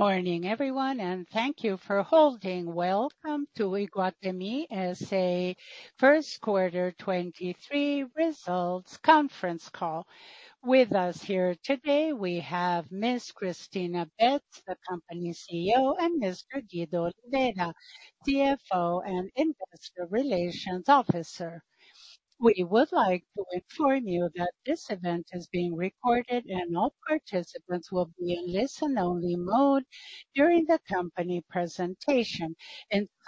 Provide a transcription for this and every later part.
Good morning everyone, thank you for holding. Welcome to Iguatemi S.A. first quarter 23 results conference call. With us here today, we have Ms. Cristina Betts, the company's CEO, and Mr. Guido Oliveira, CFO and Investor Relations Officer. We would like to inform you that this event is being recorded and all participants will be in listen only mode during the company presentation.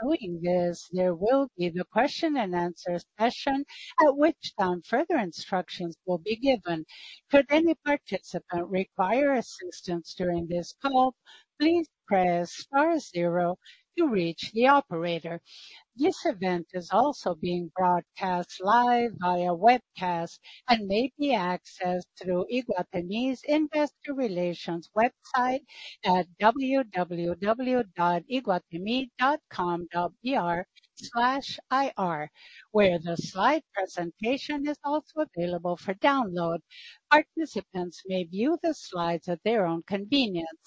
Following this, there will be the question and answer session, at which time further instructions will be given. Should any participant require assistance during this call, please press star zero to reach the operator. This event is also being broadcast live via webcast and may be accessed through Iguatemi's investor relations website at www.iguatemi.com.br/ir, where the slide presentation is also available for download. Participants may view the slides at their own convenience.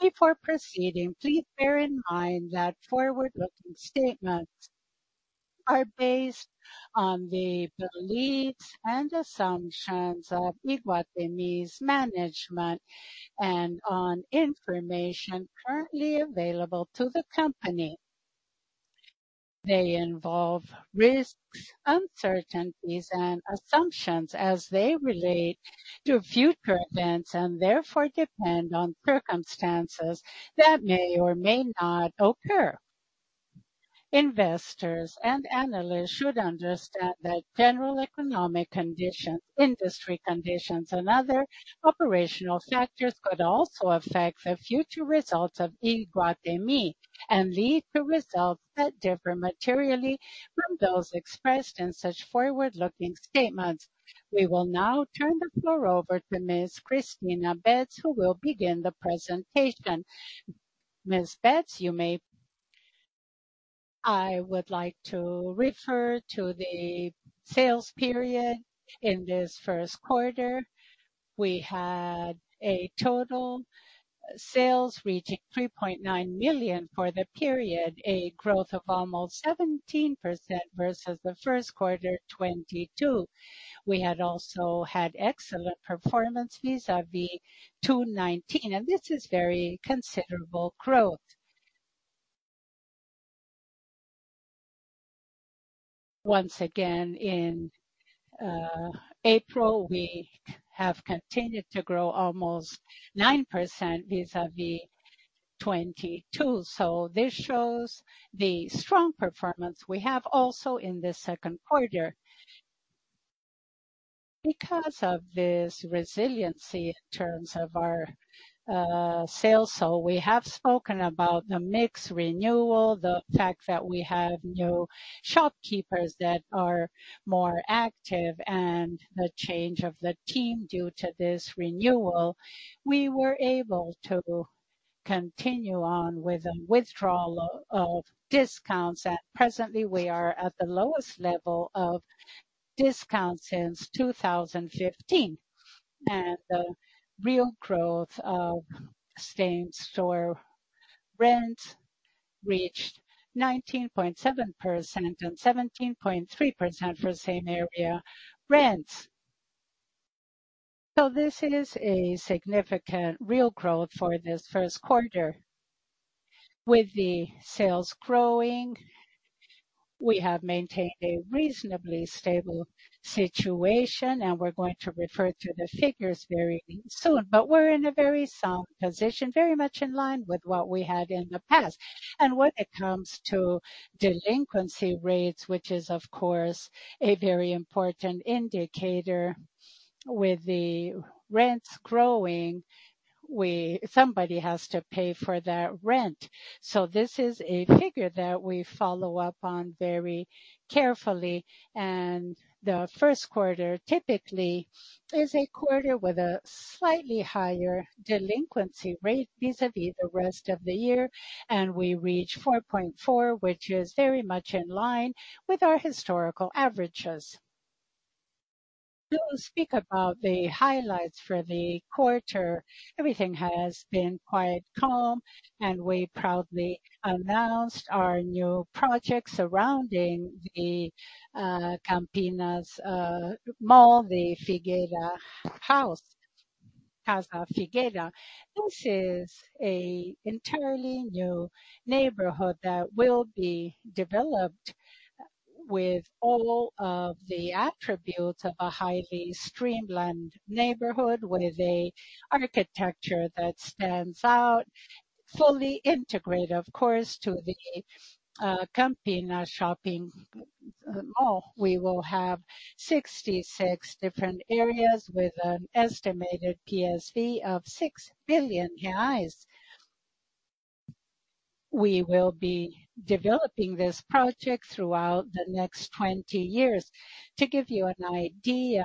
Before proceeding, please bear in mind that forward-looking statements are based on the beliefs and assumptions of Iguatemi's management and on information currently available to the company. They involve risks, uncertainties, and assumptions as they relate to future events and therefore depend on circumstances that may or may not occur. Investors and analysts should understand that general economic conditions, industry conditions, and other operational factors could also affect the future results of Iguatemi and lead to results that differ materially from those expressed in such forward-looking statements. We will now turn the floor over to Ms. Cristina Betts, who will begin the presentation. Ms. Betts. I would like to refer to the sales period. In this first quarter, we had a total sales reaching 3.9 million for the period, a growth of almost 17% versus the first quarter 2022. We had also had excellent performance vis-a-vis 2019. This is very considerable growth. Once again, in April, we have continued to grow almost 9% vis-a-vis 2022. This shows the strong performance we have also in the second quarter. Because of this resiliency in terms of our sales. We have spoken about the mix renewal, the fact that we have new shopkeepers that are more active, and the change of the team due to this renewal. We were able to continue on with the withdrawal of discounts. At presently we are at the lowest level of discount since 2015. The real growth of same-store rent reached 19.7% and 17.3% for same-area rents. This is a significant real growth for this first quarter. With the sales growing, we have maintained a reasonably stable situation, and we're going to refer to the figures very soon. We're in a very sound position, very much in line with what we had in the past. When it comes to delinquency rates, which is of course a very important indicator. With the rents growing, somebody has to pay for that rent. This is a figure that we follow up on very carefully. The first quarter typically is a quarter with a slightly higher delinquency rate vis-a-vis the rest of the year. We reach 4.4%, which is very much in line with our historical averages. We will speak about the highlights for the quarter. Everything has been quite calm, and we proudly announced our new project surrounding the Campinas mall, the Figueira House. Casa Figueira. This is an entirely new neighborhood that will be developed with all of the attributes of a highly streamlined neighborhood with an architecture that stands out, fully integrated, of course, to the Campinas shopping mall. We will have 66 different areas with an estimated PSV of 6 billion reais. We will be developing this project throughout the next 20 years. To give you an idea,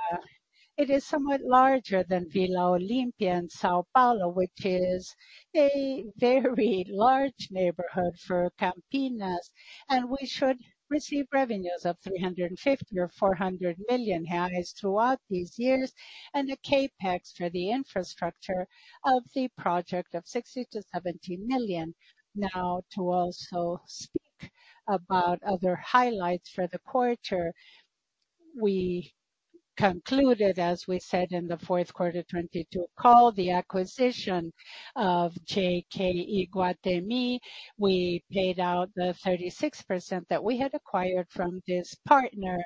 it is somewhat larger than Vila Olímpia in São Paulo, which is a very large neighborhood for Campinas, and we should receive revenues of 350 million or 400 million reais throughout these years, and a CapEx for the infrastructure of the project of 60 million-70 million. To also speak about other highlights for the quarter. We concluded, as we said in the 4Q22 call, the acquisition of JK Iguatemi. We paid out the 36% that we had acquired from this partner.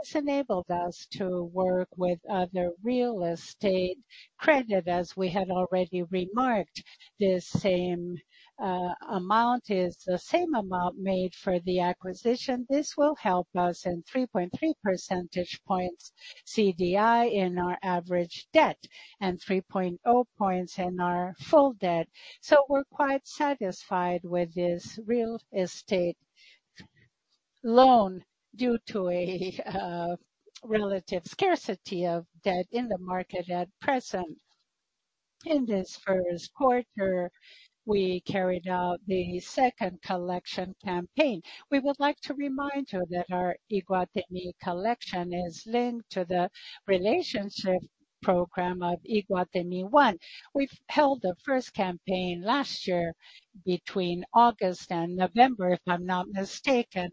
This enabled us to work with other real estate credit as we had already remarked. The same amount is the same amount made for the acquisition. This will help us in 3.3 percentage points CDI in our average debt and 3.0 points in our full debt. We're quite satisfied with this real estate loan due to a relative scarcity of debt in the market at present. In this first quarter, we carried out the second collection campaign. We would like to remind you that our Iguatemi collection is linked to the relationship program of Iguatemi ONE. We've held the first campaign last year between August and November, if I'm not mistaken.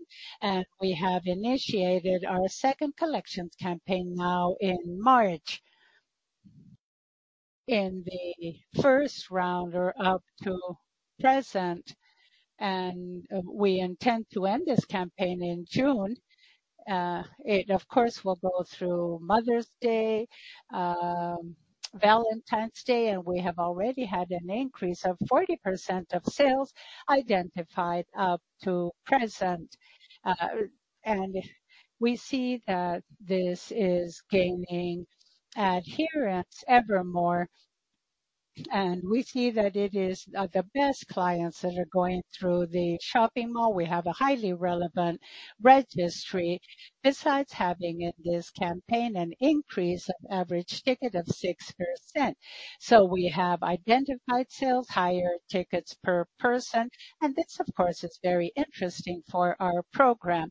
We have initiated our second collections campaign now in March. In the first rounder up to present, we intend to end this campaign in June. It of course, will go through Mother's Day, Valentine's Day, we have already had an increase of 40% of sales identified up to present. We see that this is gaining adherence evermore, and we see that it is the best clients that are going through the shopping mall. We have a highly relevant registry, besides having in this campaign an increase of average ticket of 6%. We have identified sales, higher tickets per person, this of course, is very interesting for our program.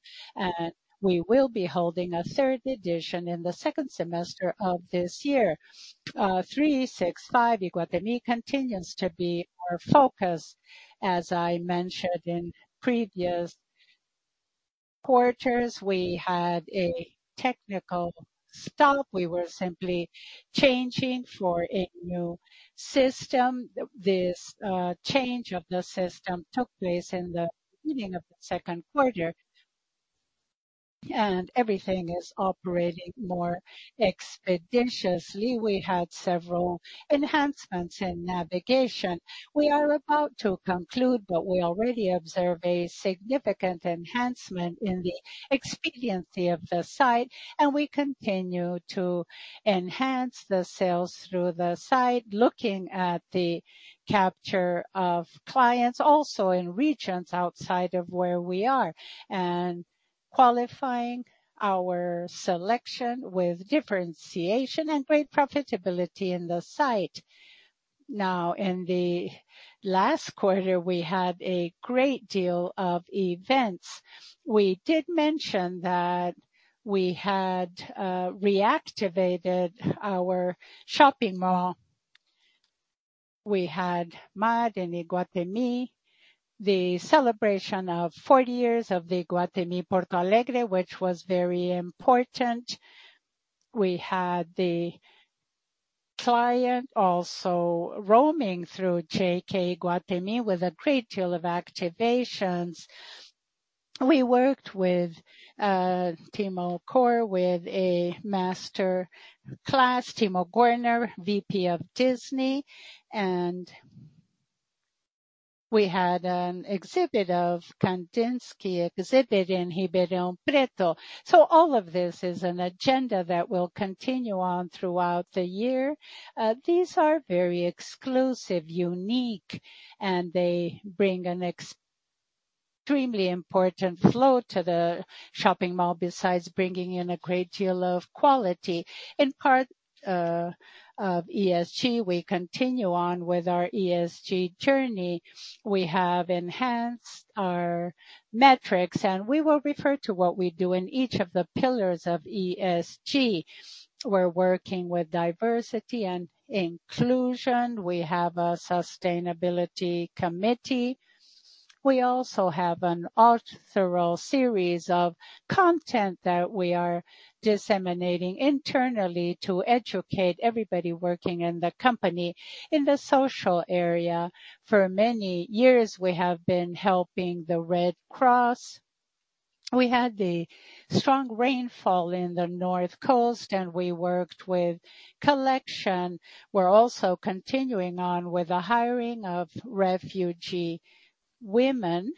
We will be holding a third edition in the second semester of this year. Iguatemi 365 continues to be our focus. As I mentioned in previous quarters, we had a technical stop. We were simply changing for a new system. This change of the system took place in the beginning of the second quarter. Everything is operating more expeditiously. We had several enhancements in navigation. We are about to conclude. We already observe a significant enhancement in the expediency of the site. We continue to enhance the sales through the site, looking at the capture of clients also in regions outside of where we are. Qualifying our selection with differentiation and great profitability in the site. Now in the last quarter, we had a great deal of events. We did mention that we had reactivated our shopping mall. We had Mad in Iguatemi, the celebration of 40 years of the Iguatemi Porto Alegre, which was very important. We had the client also roaming through JK Iguatemi with a great deal of activations. We worked with Timo Gorner with a master class, VP of Disney, and we had an exhibit of Kandinsky in Ribeirão Preto. All of this is an agenda that will continue on throughout the year. These are very exclusive, unique, and they bring an extremely important flow to the shopping mall besides bringing in a great deal of quality. In part of ESG, we continue on with our ESG journey. We have enhanced our metrics, and we will refer to what we do in each of the pillars of ESG. We're working with diversity and inclusion. We have a sustainability committee. We also have an authoral series of content that we are disseminating internally to educate everybody working in the company. In the social area, for many years, we have been helping the Red Cross. We had the strong rainfall in the north coast. We worked with collection. We're also continuing on with the hiring of refugee women.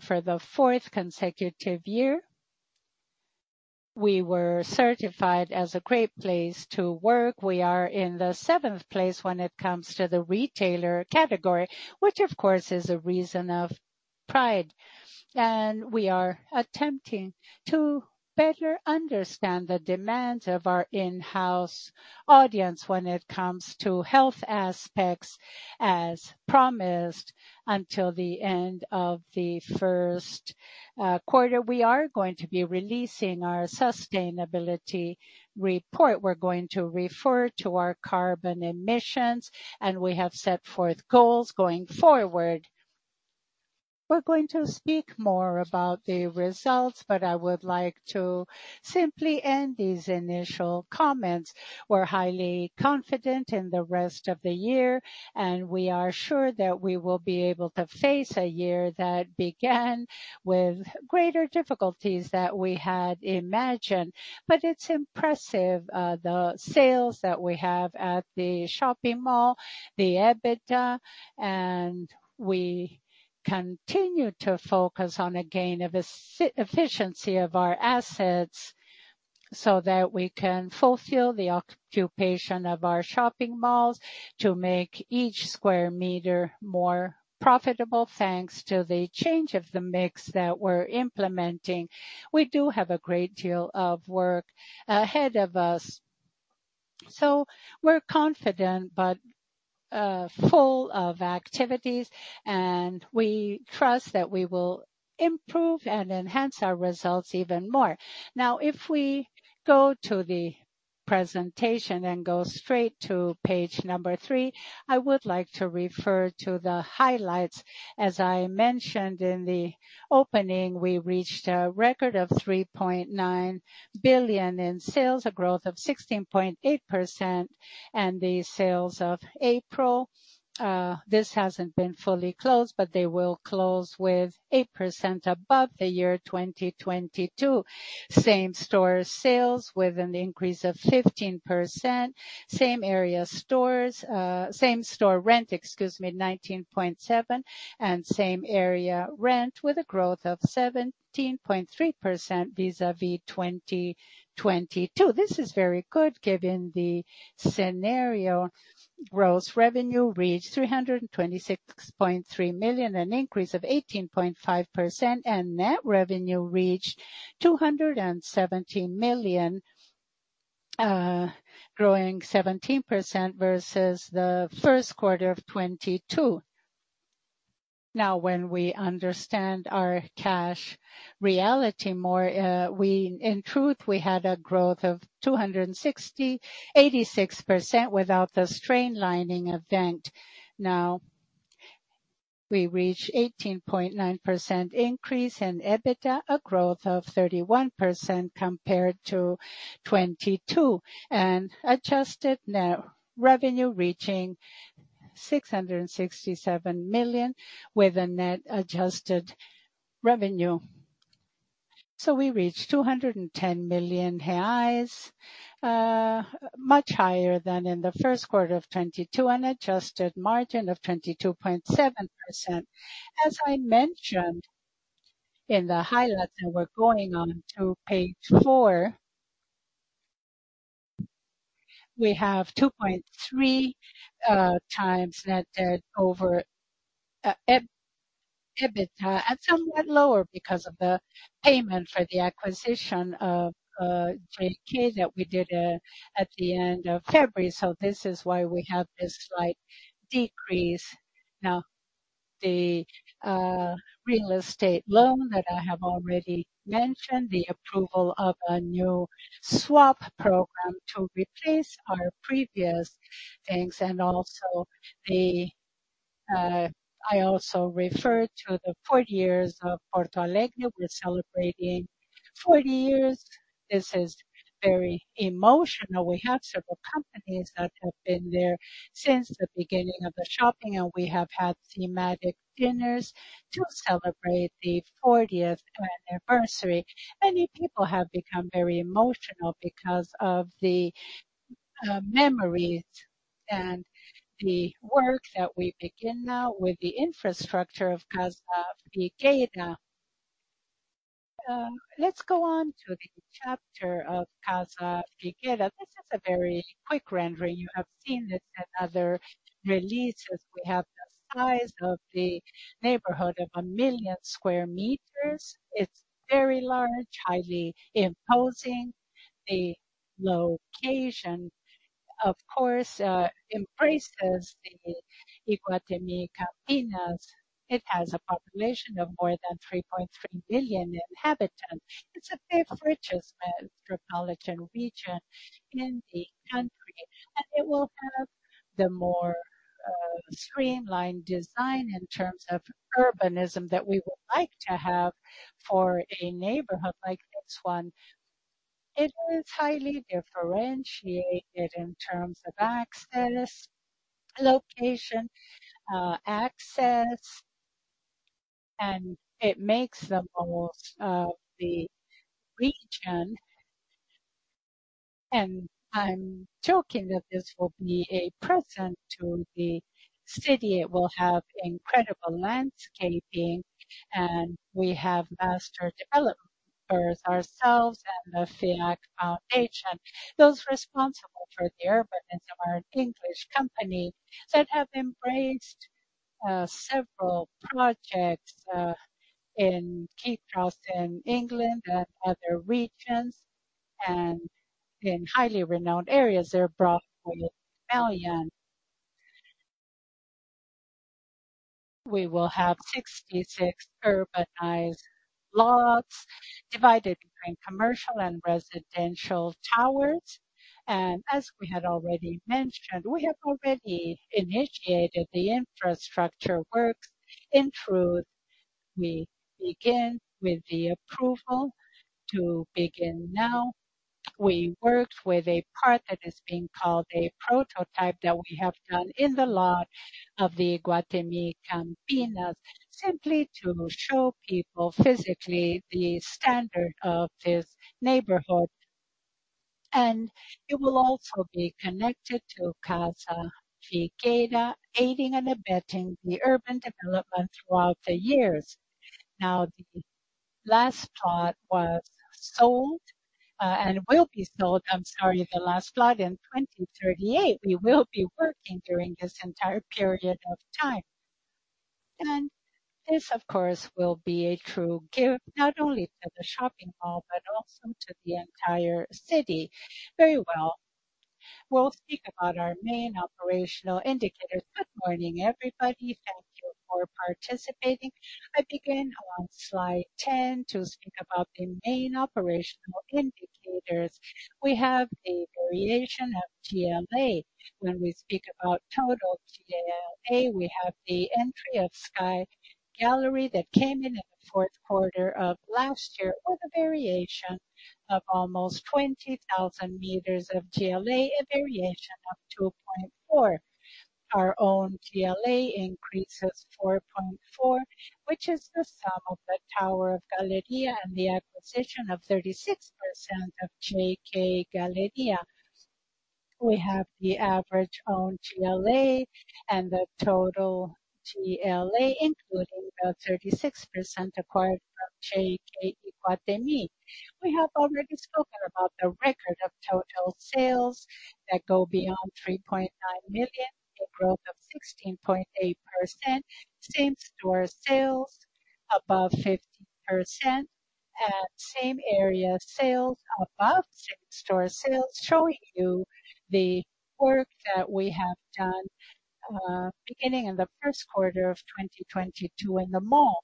For the fourth consecutive year, we were certified as a great place to work. We are in the seventh place when it comes to the retailer category, which of course, is a reason of pride. We are attempting to better understand the demands of our in-house audience when it comes to health aspects as promised until the end of the first quarter. We are going to be releasing our sustainability report. We're going to refer to our carbon emissions. We have set forth goals going forward. We're going to speak more about the results. I would like to simply end these initial comments. We're highly confident in the rest of the year, and we are sure that we will be able to face a year that began with greater difficulties that we had imagined. It's impressive, the sales that we have at the shopping mall, the EBITDA, and we continue to focus on a gain of efficiency of our assets so that we can fulfill the occupation of our shopping malls to make each square meter more profitable, thanks to the change of the mix that we're implementing. We do have a great deal of work ahead of us. We're confident but full of activities, and we trust that we will improve and enhance our results even more. If we go to the presentation and go straight to page number three, I would like to refer to the highlights. As I mentioned in the opening, we reached a record of 3.9 billion in sales, a growth of 16.8%. The sales of April, this hasn't been fully closed, but they will close with 8% above the year 2022. Same-store sales with an increase of 15%. Same area stores, same-store rent, excuse me, 19.7%. Same-area rent with a growth of 17.3% vis-à-vis 2022. This is very good given the scenario. Gross revenue reached 326.3 million, an increase of 18.5%, and net revenue reached 217 million, growing 17% versus the first quarter of 2022. Now, when we understand our cash reality more, 260... 86% without the strain lining event. We reach 18.9% increase in EBITDA, a growth of 31% compared to 2022, and adjusted net revenue reaching BRL 667 million with a net adjusted revenue. We reached 210 million reais, much higher than in the first quarter of 2022, an adjusted margin of 22.7%. I mentioned in the highlights, we're going on to page 4. We have 2.3x net debt over EBITDA and somewhat lower because of the payment for the acquisition of JK that we did at the end of February. This is why we have this slight decrease. The real estate loan that I have already mentioned, the approval of a new swap program to replace our previous things and also, I also refer to the 40 years of Porto Alegre. We're celebrating 40 years. This is very emotional. We have several companies that have been there since the beginning of the shopping, and we have had thematic dinners to celebrate the 40th anniversary. Many people have become very emotional because of the memories and the work that we begin now with the infrastructure of Casa Figueira. Let's go on to the chapter of Casa Figueira. This is a very quick rendering. You have seen this in other releases. We have the size of the neighborhood of 1 million square meters. It's very large, highly imposing. The location, of course, embraces the Iguatemi Campinas. It has a population of more than 3.3 million inhabitants. It's the fifth richest metropolitan region in the country, it will have the more streamlined design in terms of urbanism that we would like to have for a neighborhood like this one. It is highly differentiated in terms of access, location, access, it makes the most of the region. I'm joking that this will be a present to the city. It will have incredible landscaping, we have master developers ourselves and the Fundação FEAC. Those responsible for the urbanism are an English company that have embraced several projects in Capco in England and other regions and in highly renowned areas. They're broadly familiar. We will have 66 urbanized lots divided between commercial and residential towers. As we had already mentioned, we have already initiated the infrastructure works. In truth, we begin with the approval to begin now. We worked with a part that is being called a prototype that we have done in the lot of the Iguatemi Campinas, simply to show people physically the standard of this neighborhood. It will also be connected to Casa Figueira, aiding and abetting the urban development throughout the years. Now, the last plot was sold, the last plot in 2038. We will be working during this entire period of time. This, of course, will be a true gift, not only to the shopping mall, but also to the entire city. Very well. We'll speak about our main operational indicators. Good morning, everybody. Thank you for participating. I begin on Slide 10 to speak about the main operational indicators. We have a variation of GLA. We speak about total GLA, we have the entry of Sky Gallery that came in in the fourrth quarter of last year with a variation of almost 20,000 meters of GLA, a variation of 2.4%. Our own GLA increases 4.4%, which is the sum of the tower of Galleria and the acquisition of 36% of JK Iguatemi. We have the average owned GLA and the total GLA, including the 36% acquired from JK Iguatemi. We have already spoken about the record of total sales that go beyond 3.9 million, a growth of 16.8%. Same-store sales above 15%. Same area sales above same-store sales, showing you the work that we have done, beginning in the 1st quarter of 2022 in the mall.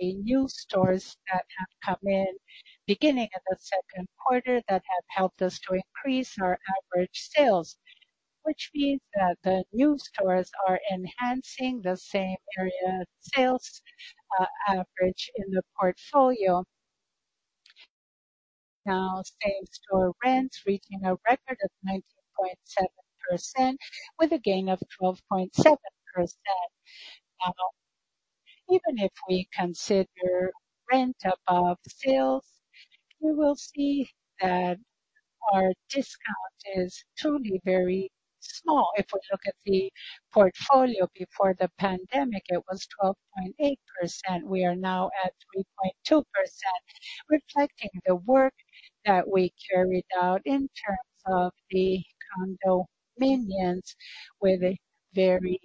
The new stores that have come in beginning in the second quarter that have helped us to increase our average sales, which means that the new stores are enhancing the same-area sales average in the portfolio. Same-store rents reaching a record of 19.7% with a gain of 12.7%. Even if we consider rent above sales, we will see that our discount is truly very small. If we look at the portfolio before the pandemic, it was 12.8%. We are now at 3.2%, reflecting the work that we carried out in terms of the condominiums with a very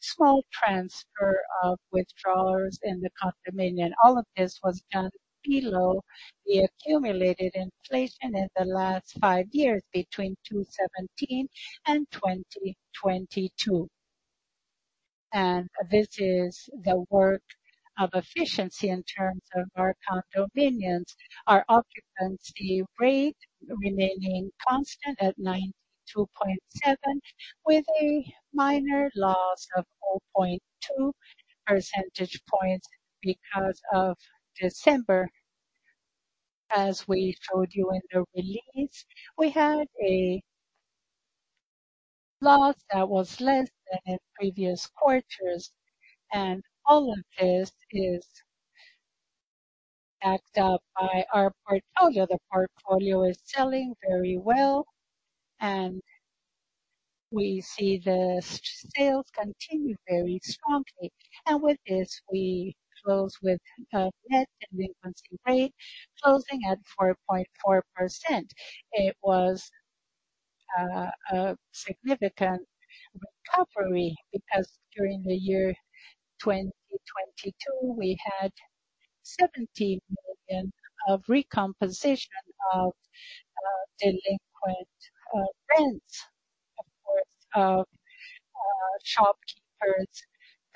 small transfer of withdrawals in the condominium. All of this was done below the accumulated inflation in the last 5 years between 2017 and 2022. This is the work of efficiency in terms of our condominiums. Our occupancy rate remaining constant at 92.7, with a minor loss of 0.2 percentage points because of December. As we showed you in the release, we had a loss that was less than in previous quarters, and all of this is backed up by our portfolio. The portfolio is selling very well, and we see the sales continue very strongly. With this, we close with a net delinquency rate closing at 4.4%. It was a significant recovery because during the year 2022, we had 70 million of recomposition of delinquent rents, of course, shopkeepers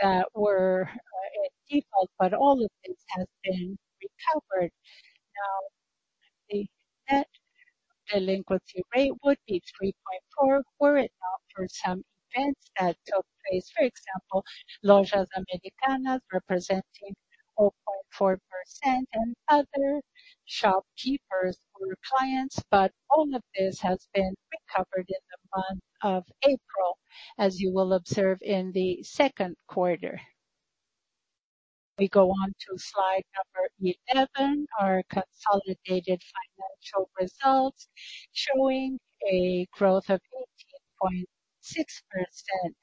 that were in default, but all of this has been recovered. Now, the net delinquency rate would be 3.4 were it not for some events that took place. For example, Lojas Americanas representing 0.4% and other shopkeepers who are clients. All of this has been recovered in the month of April, as you will observe in the second quarter. We go on to Slide 11. Our consolidated financial results showing a growth of 18.6%.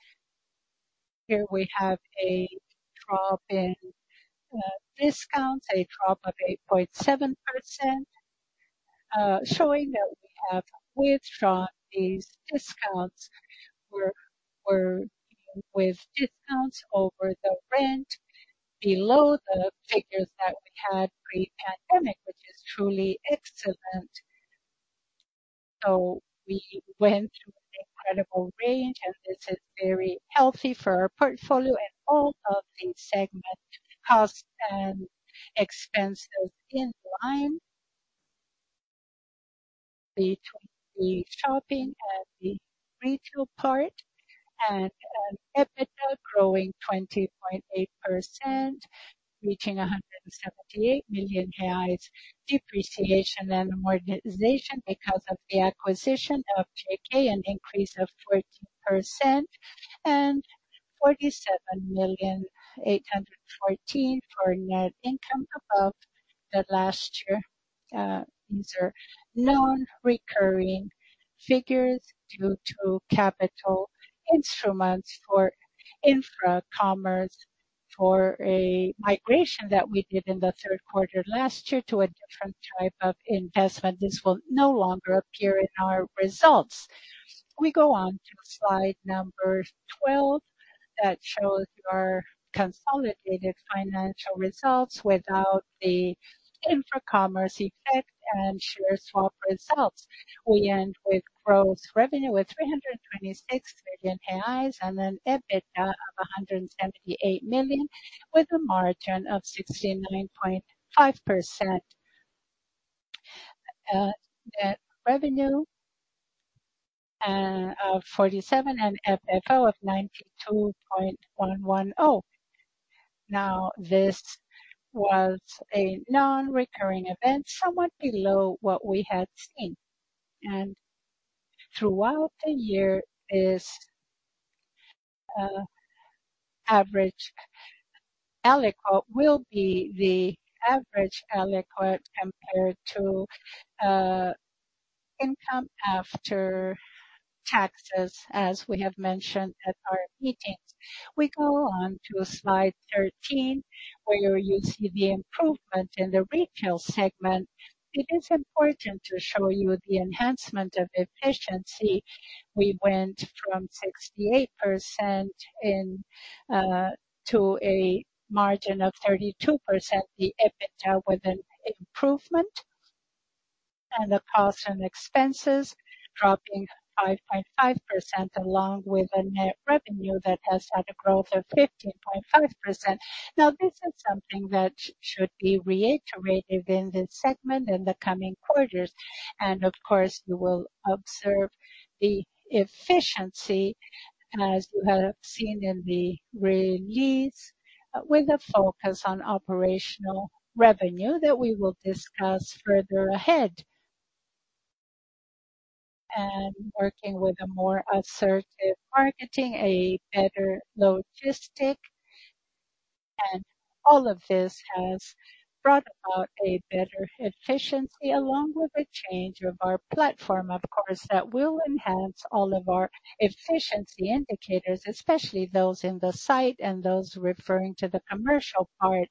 Here we have a drop in discounts, a drop of 8.7%, showing that we have withdrawn these discounts. We're dealing with discounts over the rent below the figures that we had pre-pandemic, which is truly excellent. We went through an incredible range, and this is very healthy for our portfolio and all of the segment costs and expenses in line between the shopping and the retail part. EBITDA growing 20.8%, reaching 178 million reais. Depreciation and amortization because of the acquisition of JK, an increase of 14%. 47,000,814 for net income above the last year. These are non-recurring figures due to capital instruments for Infracommerce for a migration that we did in the third quarter last year to a different type of investment. This will no longer appear in our results. We go on to slide number 12 that shows our consolidated financial results without the Infracommerce effect and share swap results. We end with gross revenue of 326 million reais and an EBITDA of 178 million, with a margin of 69.5%. Net revenue of 47 and FFO of 92.110. This was a non-recurring event, somewhat below what we had seen. Throughout the year is, ELICOT will be the average ELICOT compared to income after taxes, as we have mentioned at our meetings. We go on to Slide 13, where you see the improvement in the retail segment. It is important to show you the enhancement of efficiency. We went from 68% in to a margin of 32%, the EBITDA with an improvement and the costs and expenses dropping 5.5%, along with a net revenue that has had a growth of 15.5%. This is something that should be reiterated in this segment in the coming quarters. Of course, you will observe the efficiency, as you have seen in the release, with a focus on operational revenue that we will discuss further ahead. Working with a more assertive marketing, a better logistics. All of this has brought about a better efficiency, along with the change of our platform, of course, that will enhance all of our efficiency indicators, especially those in the site and those referring to the commercial part.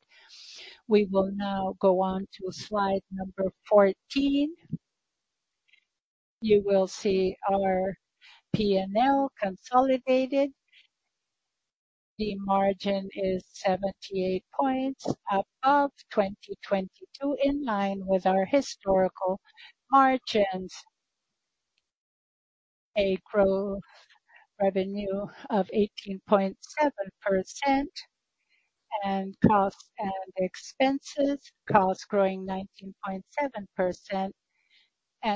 We will now go on to slide number 14. You will see our P&L consolidated. The margin is 78 points above 2022, in line with our historical margins. A growth revenue of 18.7% and costs and expenses. Costs growing 19.7%.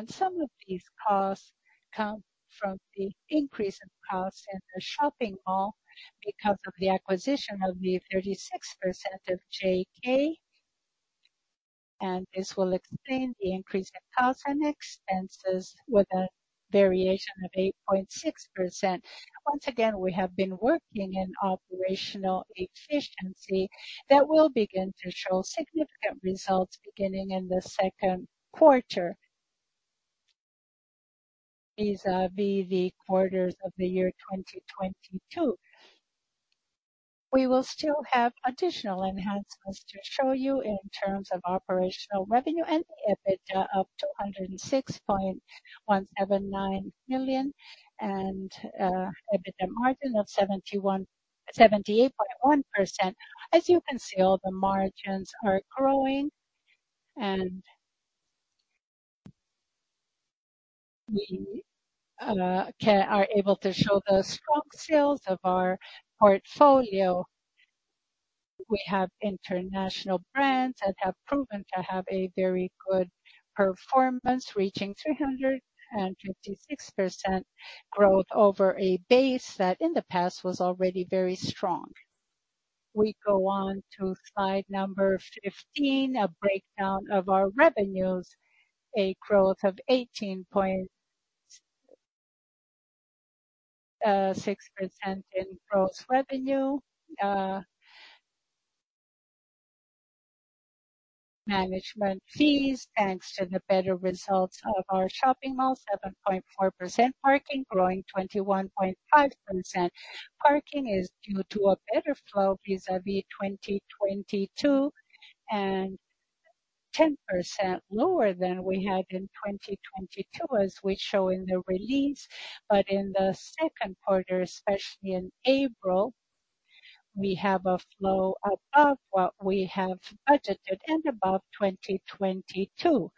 Some of these costs come from the increase in costs in the shopping mall because of the acquisition of the 36% of JK. This will explain the increase in costs and expenses with a variation of 8.6%. Once again, we have been working in operational efficiency that will begin to show significant results beginning in the second quarter. Vis-a-vis the quarters of the year 2022. We will still have additional enhancements to show you in terms of operational revenue and the EBITDA up to 106.179 million and EBITDA margin of 78.1%. As you can see, all the margins are growing. We are able to show the strong sales of our portfolio. We have international brands that have proven to have a very good performance, reaching 356% growth over a base that in the past was already very strong. We go on to slide number 15, a breakdown of our revenues. A growth of 18.6% in gross revenue. Management fees, thanks to the better results of our shopping mall, 7.4%. Parking growing 21.5%. Parking is due to a better flow vis-a-vis 2022 and 10% lower than we had in 2022, as we show in the release. In the second quarter, especially in April. We have a flow above what we have budgeted and above 2022.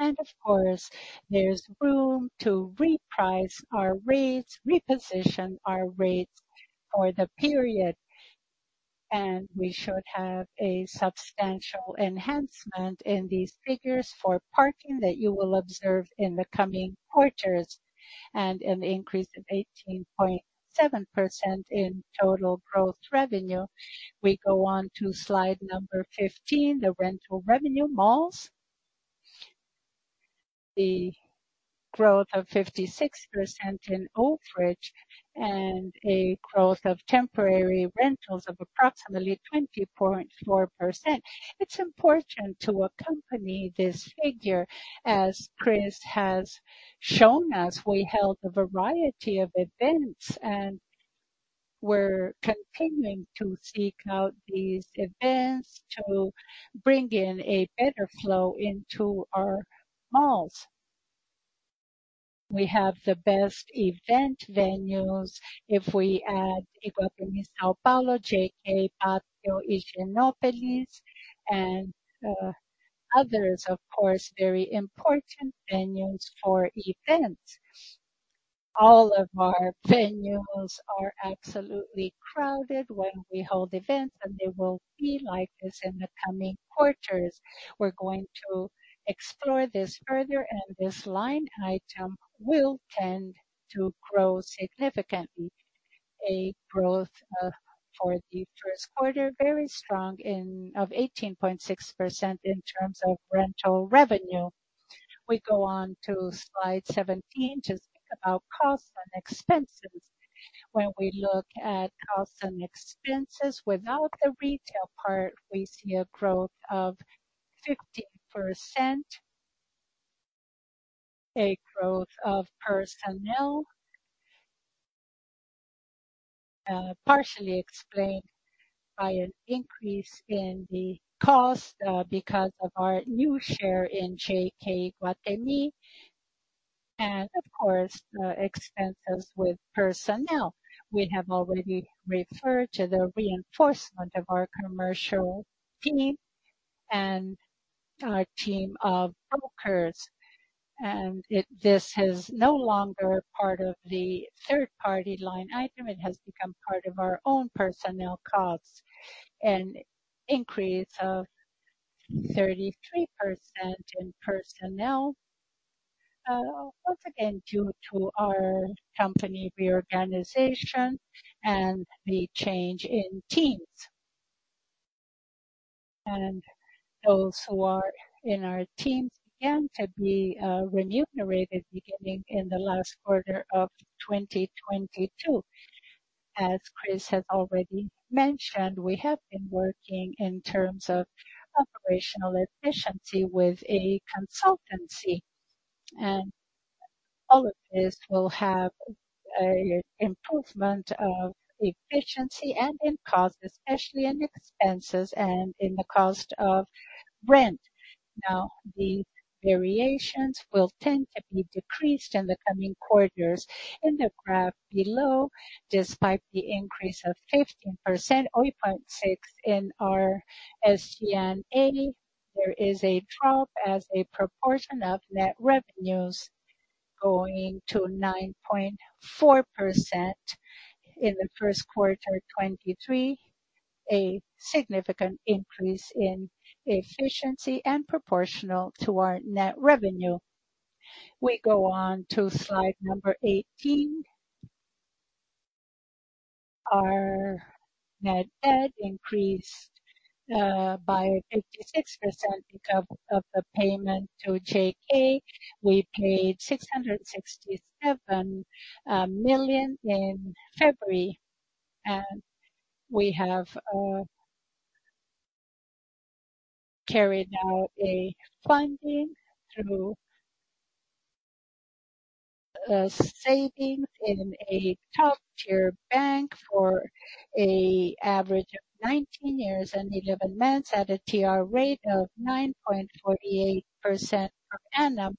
Of course, there's room to reprice our rates, reposition our rates for the period. We should have a substantial enhancement in these figures for parking that you will observe in the coming quarters, and an increase of 18.7% in total growth revenue. We go on to Slide number 15, the rental revenue malls. The growth of 56% in outrage and a growth of temporary rentals of approximately 20.4%. It's important to accompany this figure. As Chris has shown us, we held a variety of events. We're continuing to seek out these events to bring in a better flow into our malls. We have the best event venues. If we add Iguatemi São Paulo, JK, Pátio Higienópolis, and others, of course, very important venues for events. All of our venues are absolutely crowded when we hold events. They will be like this in the coming quarters. We're going to explore this further. This line item will tend to grow significantly. A growth for the first quarter, very strong of 18.6% in terms of rental revenue. We go on to slide 17 to speak about costs and expenses. When we look at costs and expenses without the retail part, we see a growth of 15%. A growth of personnel, partially explained by an increase in the cost, because of our new share in JK Iguatemi, and of course, expenses with personnel. We have already referred to the reinforcement of our commercial team and our team of brokers. This is no longer part of the third-party line item. It has become part of our own personnel costs. An increase of 33% in personnel, once again, due to our company reorganization and the change in teams. Those who are in our teams began to be, remunerated beginning in the last quarter of 2022. As Chris has already mentioned, we have been working in terms of operational efficiency with a consultancy, and all of this will have a improvement of efficiency and in costs, especially in expenses and in the cost of rent. The variations will tend to be decreased in the coming quarters. In the graph below, despite the increase of 15.6% in our SCN A, there is a drop as a proportion of net revenues going to 9.4% in the first quarter 2023, a significant increase in efficiency and proportional to our net revenue. We go on to slide 18. Our net debt increased by 56% because of the payment to JK. We paid 667 million in February, and we have carried out a funding through savings in a top-tier bank for a average of 19 years and 11 months at a TR rate of 9.48% per annum.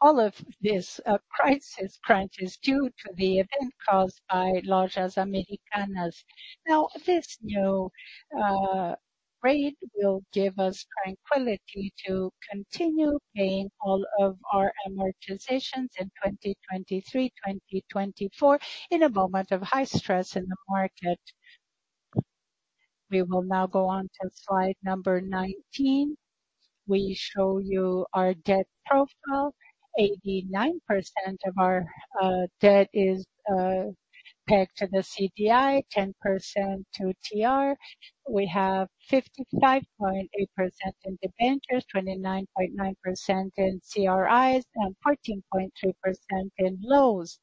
All of this crisis crunch is due to the event caused by Lojas Americanas. Now, this new rate will give us tranquility to continue paying all of our amortizations in 2023, 2024 in a moment of high stress in the market. We will now go on to slide number 19. We show you our debt profile. 89% of our debt is pegged to the CDI, 10% to TR. We have 55.8% in debentures, 29.9% in CRIs, and 14.3% in lows.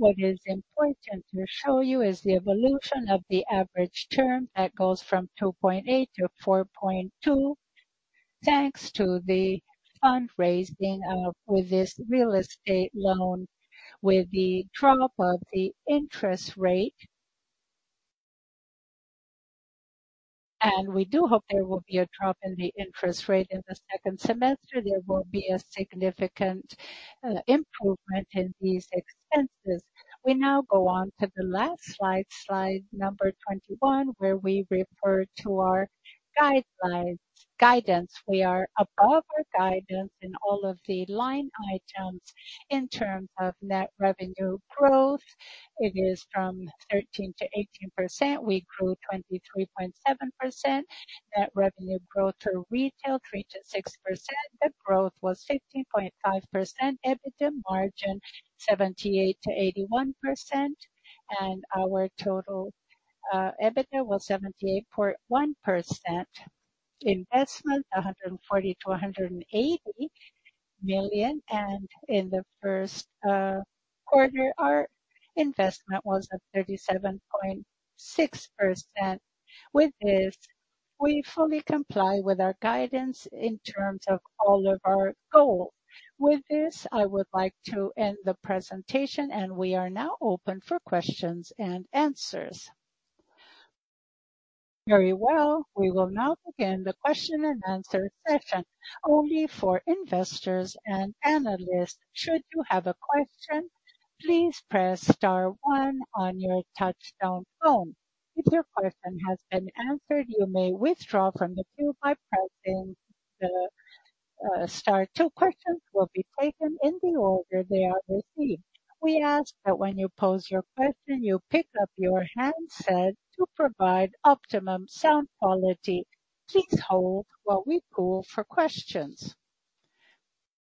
What is important to show you is the evolution of the average term that goes from 2.8 to 4.2. Thanks to the fundraising with this real estate loan, with the drop of the interest rate. We do hope there will be a drop in the interest rate in the second semester. There will be a significant improvement in these expenses. We now go on to the last Slide number 21, where we refer to our guidance. We are above our guidance in all of the line items in terms of net revenue growth. It is from 13%-18%. We grew 23.7%. Net revenue growth for retail, 3%-6%. The growth was 15.5%. EBITDA margin, 78%-81%. Our total EBITDA was 78.1%. Investment, 140 million-180 million. In the first quarter, our investment was at 37.6%. With this, we fully comply with our guidance in terms of all of our goal. With this, I would like to end the presentation, and we are now open for questions and answers. Very well. We will now begin the question and answer session only for investors and analysts. Should you have a question, please press star one on your touchtone phone. If your question has been answered, you may withdraw from the queue by pressing star two. Questions will be taken in the order they are received. We ask that when you pose your question, you pick up your handset to provide optimum sound quality. Please hold while we poll for questions.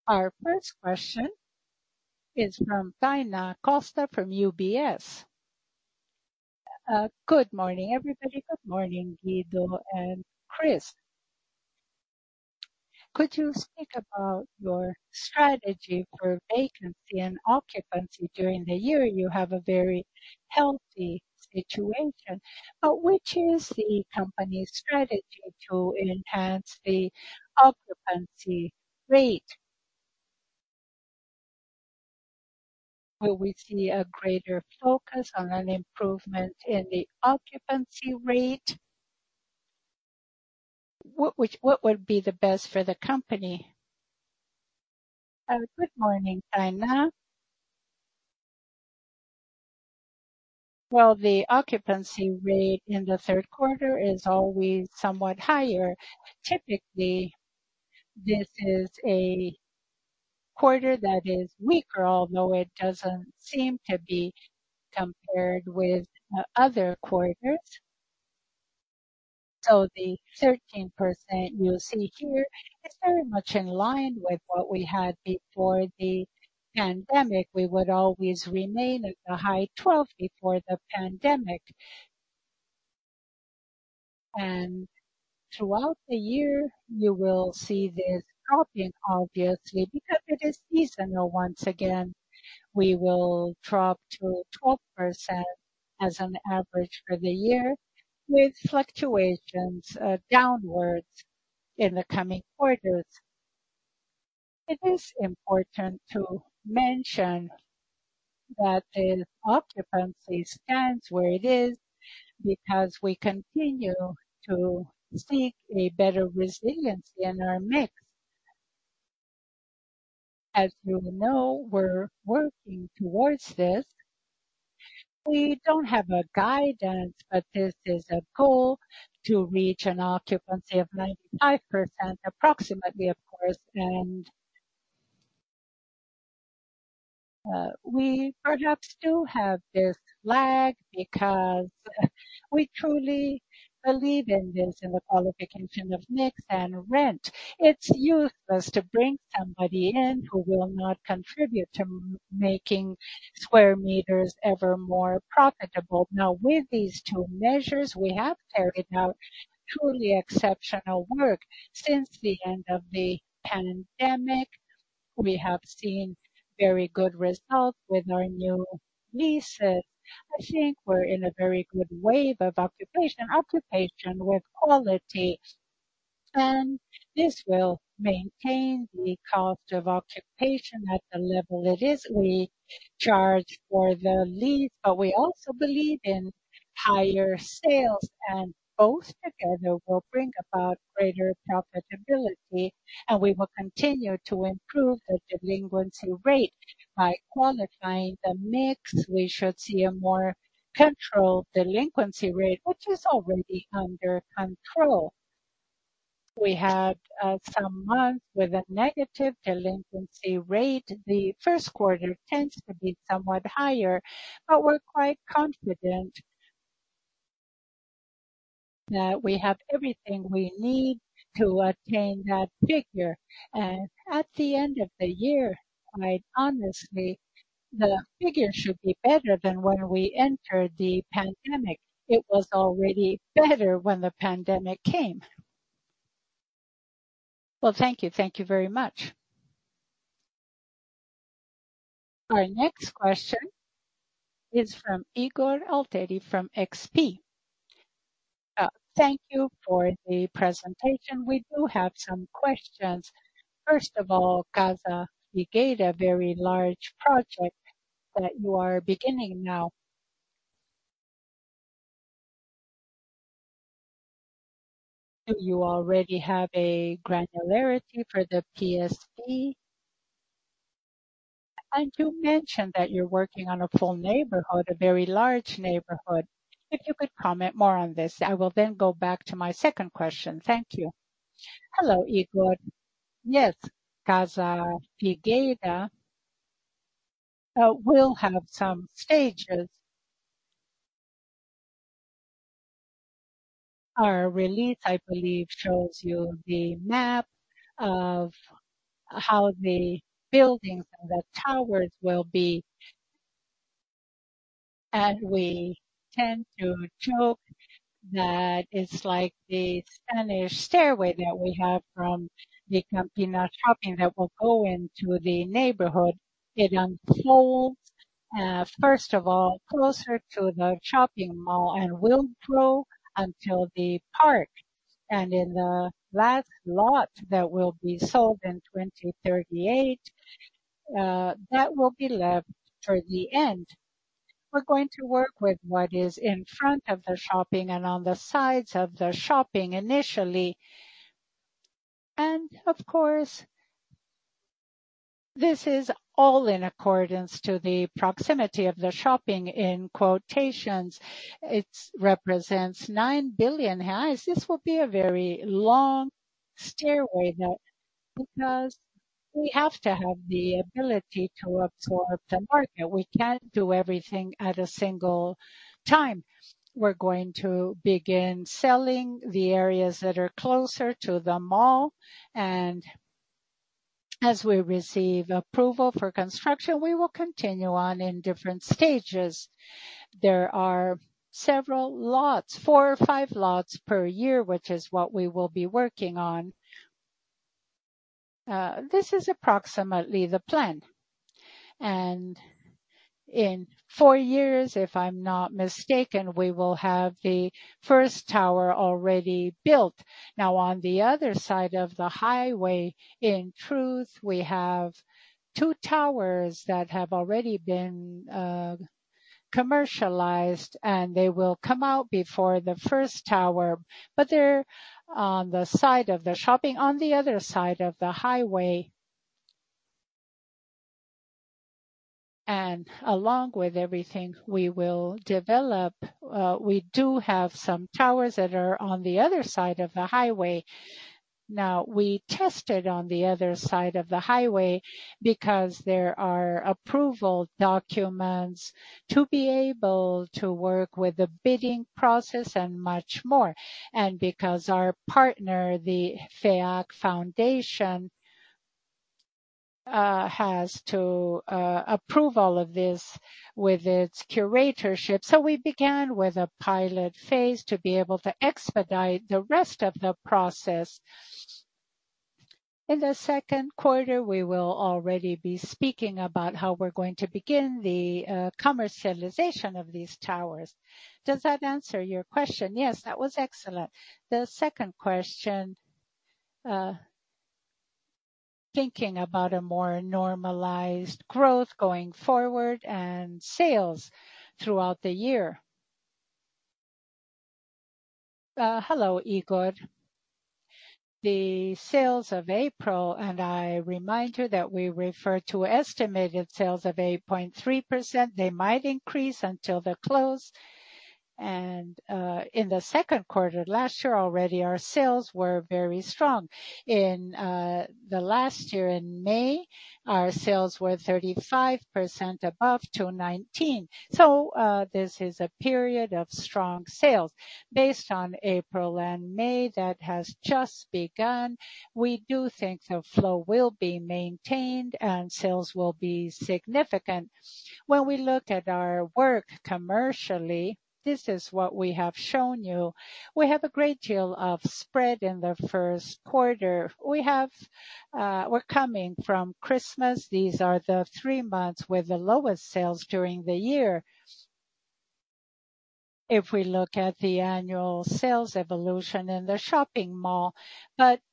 Our first question is from Taina Costa from UBS. Good morning, everybody. Good morning, Guido and Chris. Could you speak about your strategy for vacancy and occupancy during the year? You have a very healthy situation. Which is the company's strategy to enhance the occupancy rate? Will we see a greater focus on an improvement in the occupancy rate? What would be the best for the company? Good morning, Tainan. Well, the occupancy rate in the third quarter is always somewhat higher. Typically, this is a quarter that is weaker, although it doesn't seem to be compared with other quarters. The 13% you see here is very much in line with what we had before the pandemic. We would always remain at the high 12% before the pandemic. Throughout the year, you will see this dropping, obviously, because it is seasonal. Once again, we will drop to 12% as an average for the year, with fluctuations downwards in the coming quarters. It is important to mention that the occupancy stands where it is because we continue to seek a better resiliency in our mix. As you know, we're working towards this. We don't have a guidance, but this is a goal to reach an occupancy of 95%, approximately, of course. We perhaps do have this lag because we truly believe in this, in the qualification of mix and rent. It's useless to bring somebody in who will not contribute to making square meters ever more profitable. With these two measures, we have carried out truly exceptional work. Since the end of the pandemic, we have seen very good results with our new leases. I think we're in a very good wave of occupation with quality, and this will maintain the cost of occupation at the level it is. We charge for the lease, but we also believe in higher sales, and both together will bring about greater profitability, and we will continue to improve the delinquency rate. By qualifying the mix, we should see a more controlled delinquency rate, which is already under control. We had some months with a negative delinquency rate. The first quarter tends to be somewhat higher, but we're quite confident that we have everything we need to attain that figure. At the end of the year, quite honestly, the figure should be better than when we entered the pandemic. It was already better when the pandemic came. Well, thank you. Thank you very much. Our next question is from Igor Altero from XP. Thank you for the presentation. We do have some questions. First of all, Casa Figueira, very large project that you are beginning now. Do you already have a granularity for the PSV? You mentioned that you're working on a full neighborhood, a very large neighborhood. If you could comment more on this, I will then go back to my second question. Thank you. Hello, Ygor. Yes, Casa Figueira will have some stages. Our release, I believe, shows you the map of how the buildings and the towers will be. We tend to joke that it's like the Spanish stairway that we have from the Campinas shopping that will go into the neighborhood. It unfolds, first of all, closer to the shopping mall and will grow until the park. In the last lot that will be sold in 2038, that will be left for the end. We're going to work with what is in front of the shopping and on the sides of the shopping initially. Of course, this is all in accordance to the proximity of the shopping in quotations. It's represents 9 billion reais. This will be a very long stairway that because we have to have the ability to absorb the market, we can't do everything at a single time. We're going to begin selling the areas that are closer to the mall, and as we receive approval for construction, we will continue on in different stages. There are several lots, four or five lots per year, which is what we will be working on. This is approximately the plan. In four years, if I'm not mistaken, we will have the first tower already built. Now, on the other side of the highway, in truth, we have two towers that have already been commercialized, and they will come out before the first tower. They're on the side of the shopping on the other side of the highway. Along with everything we will develop, we do have some towers that are on the other side of the highway. We tested on the other side of the highway because there are approval documents to be able to work with the bidding process and much more. Because our partner, the Fundação FEAC, has to approve all of this with its curatorship. We began with a pilot phase to be able to expedite the rest of the process. In the second quarter, we will already be speaking about how we're going to begin the commercialization of these towers. Does that answer your question? Yes, that was excellent. The second question, thinking about a more normalized growth going forward and sales throughout the year. Hello, Igor. The sales of April, I remind you that we refer to estimated sales of 8.3%. They might increase until the close. In the second quarter last year already, our sales were very strong. In the last year in May, our sales were 35% above 2019. This is a period of strong sales. Based on April and May that has just begun, we do think the flow will be maintained and sales will be significant. When we look at our work commercially, this is what we have shown you. We have a great deal of spread in the first quarter. We have, we're coming from Christmas. These are the three months with the lowest sales during the year. If we look at the annual sales evolution in the shopping mall,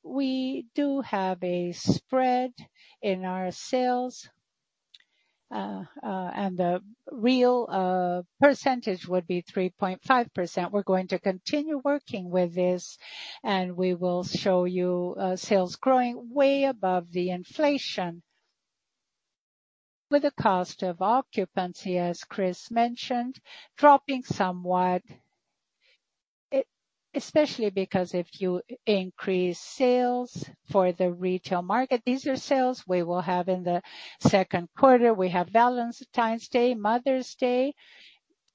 we do have a spread in our sales. The real percentage would be 3.5%. We're going to continue working with this, we will show you sales growing way above the inflation. With the cost of occupancy, as Chris mentioned, dropping somewhat, especially because if you increase sales for the retail market, these are sales we will have in the second quarter. We have Valentine's Day, Mother's Day,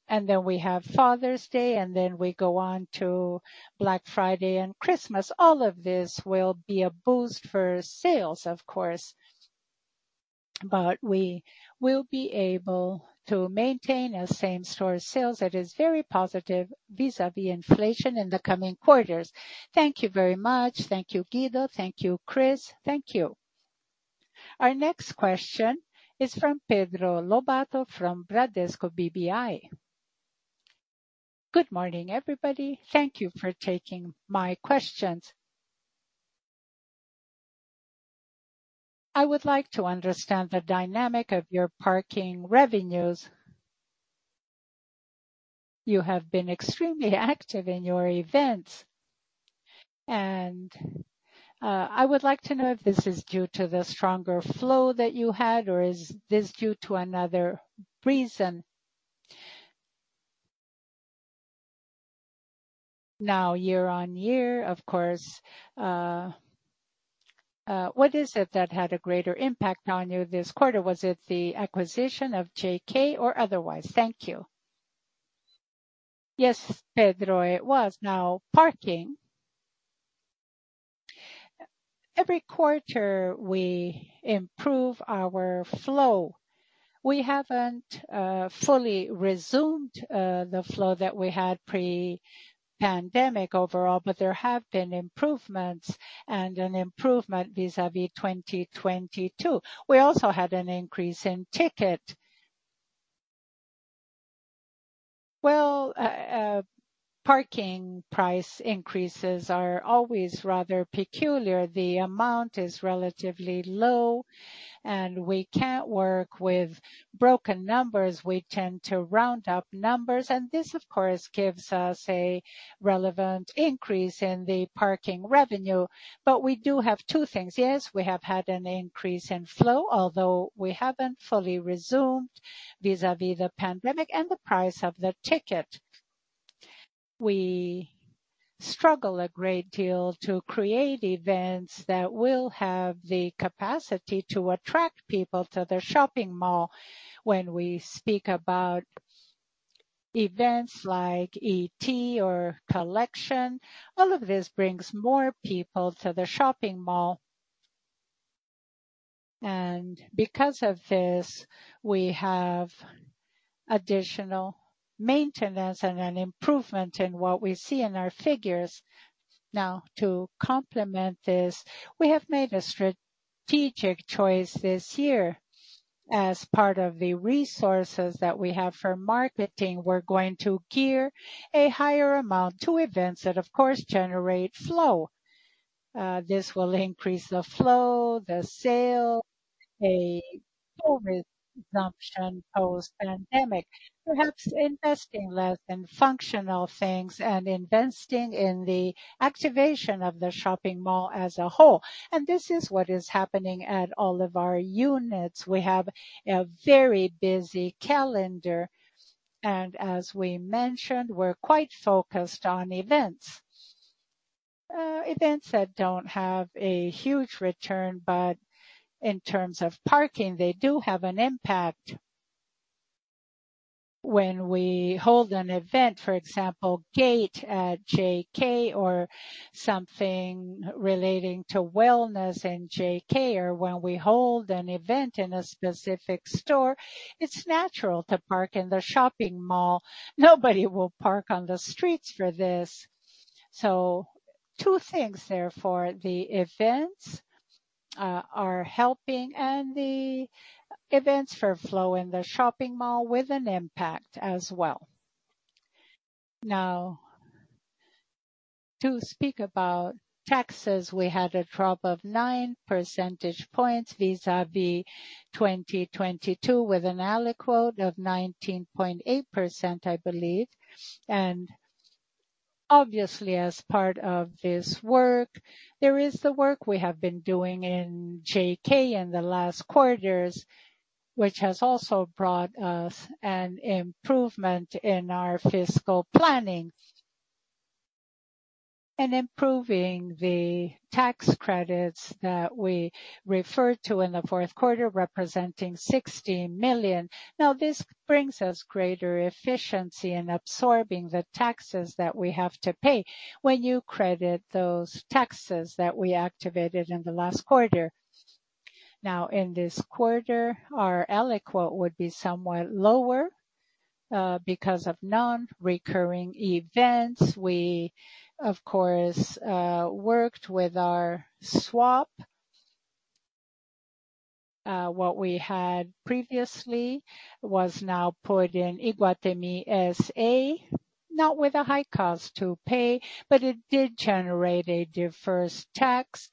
and then we have Father's Day, and then we go on to Black Friday and Christmas. All of this will be a boost for sales, of course. We will be able to maintain a same-store sales that is very positive vis-à-vis inflation in the coming quarters. Thank you very much. Thank you, Guido. Thank you, Chris. Thank you. Our next question is from Pedro Lobato from Bradesco BBI. Good morning, everybody. Thank you for taking my questions. I would like to understand the dynamic of your parking revenues. You have been extremely active in your events. I would like to know if this is due to the stronger flow that you had, or is this due to another reason? Year-over-year, of course, what is it that had a greater impact on you this quarter? Was it the acquisition of JK or otherwise? Thank you. Yes, Pedro, it was. Parking. Every quarter we improve our flow. We haven't fully resumed the flow that we had pre-pandemic overall, but there have been improvements and an improvement vis-à-vis 2022. We also had an increase in ticket. Well, parking price increases are always rather peculiar. The amount is relatively low, and we can't work with broken numbers. We tend to round up numbers. This, of course, gives us a relevant increase in the parking revenue. We do have two things. Yes, we have had an increase in flow, although we haven't fully resumed vis-à-vis the pandemic and the price of the ticket. We struggle a great deal to create events that will have the capacity to attract people to the shopping mall. When we speak about events like ET or Collection, all of this brings more people to the shopping mall. Because of this, we have additional maintenance and an improvement in what we see in our figures. Now, to complement this, we have made a strategic choice this year. As part of the resources that we have for marketing, we're going to gear a higher amount to events that of course generate flow. This will increase the flow, the sale, a full resumption post-pandemic. Perhaps investing less in functional things and investing in the activation of the shopping mall as a whole. This is what is happening at all of our units. We have a very busy calendar, and as we mentioned, we're quite focused on events. Events that don't have a huge return, but in terms of parking, they do have an impact. When we hold an event, for example, gate at JK or something relating to wellness in JK, or when we hold an event in a specific store, it's natural to park in the shopping mall. Nobody will park on the streets for this. Two things therefore, the events are helping and the events for flow in the shopping mall with an impact as well. To speak about taxes, we had a drop of 9 percentage points vis-à-vis 2022, with an aliquote of 19.8%, I believe. Obviously, as part of this work, there is the work we have been doing in JK in the last quarters, which has also brought us an improvement in our fiscal planning. Improving the tax credits that we referred to in the fourth quarter, representing 60 million. This brings us greater efficiency in absorbing the taxes that we have to pay when you credit those taxes that we activated in the last quarter. In this quarter, our aliquote would be somewhat lower because of non-recurring events. We of course worked with our swap. What we had previously was now put in Iguatemi S.A. Not with a high cost to pay, but it did generate a deferred tax.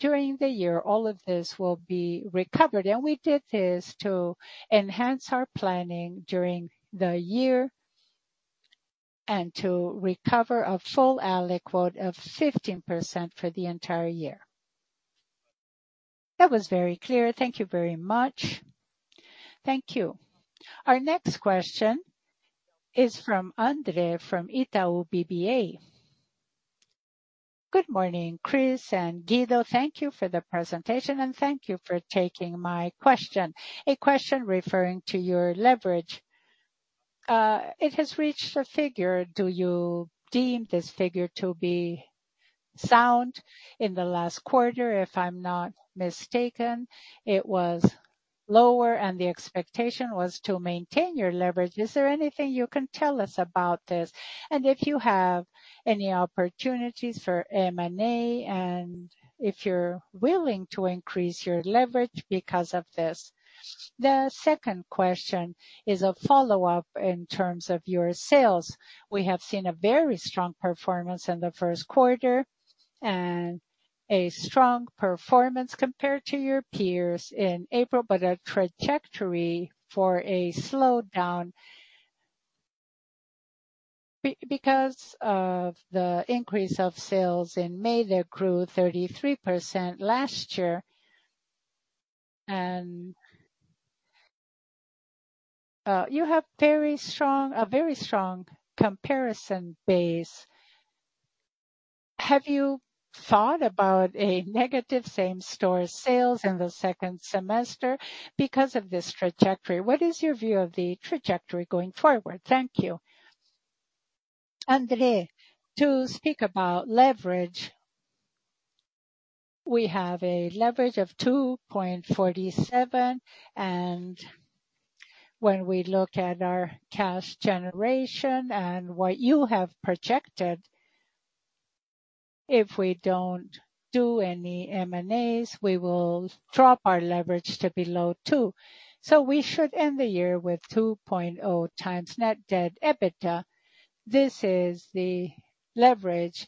During the year, all of this will be recovered. We did this to enhance our planning during the year and to recover a full alíquota of 15% for the entire year. That was very clear. Thank you very much. Thank you. Our next question is from Andre from Itaú BBA. Good morning, Chris and Guido. Thank you for the presentation, and thank you for taking my question. A question referring to your leverage. It has reached a figure. Do you deem this figure to be sound? In the last quarter, if I'm not mistaken, it was lower and the expectation was to maintain your leverage. Is there anything you can tell us about this? If you have any opportunities for M&A and if you're willing to increase your leverage because of this. The second question is a follow-up in terms of your sales. We have seen a very strong performance in the first quarter. A strong performance compared to your peers in April, but a trajectory for a slowdown because of the increase of sales in May that grew 33% last year. You have a very strong comparison base. Have you thought about a negative same-store sales in the second semester because of this trajectory? What is your view of the trajectory going forward? Thank you. Andre, to speak about leverage, we have a leverage of 2.47, and when we look at our cash generation and what you have projected, if we don't do any M&As, we will drop our leverage to below two. We should end the year with 2.0 times net debt EBITDA. This is the leverage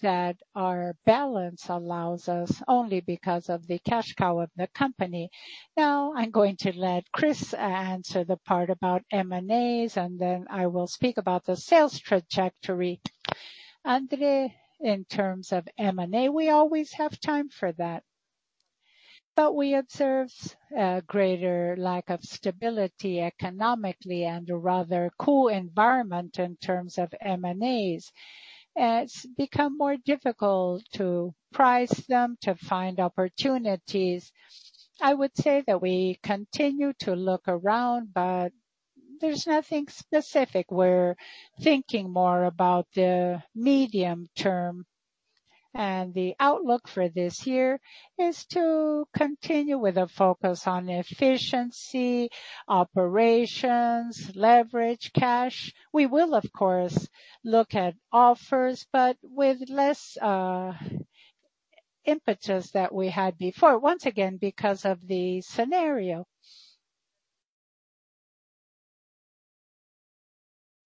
that our balance allows us only because of the cash cow of the company. I'm going to let Chris answer the part about M&As, and then I will speak about the sales trajectory. Andre, in terms of M&A, we always have time for that, but we observe a greater lack of stability economically and a rather cool environment in terms of M&As. It's become more difficult to price them, to find opportunities. I would say that we continue to look around, but there's nothing specific. We're thinking more about the medium term. The outlook for this year is to continue with a focus on efficiency, operations, leverage, cash. We will of course, look at offers, but with less impetus that we had before. Once again, because of the scenario.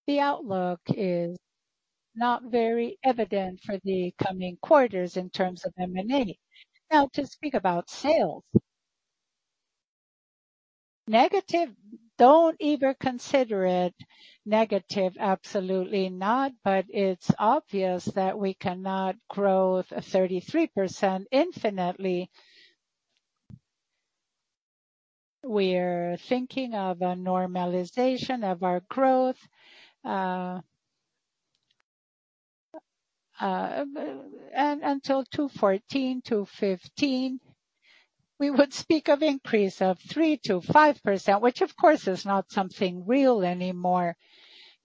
The outlook is not very evident for the coming quarters in terms of M&A. To speak about sales. Negative, don't even consider it negative. Absolutely not. It's obvious that we cannot grow 33% infinitely. We're thinking of a normalization of our growth until 2014, 2015, we would speak of increase of 3%-5%, which of course is not something real anymore.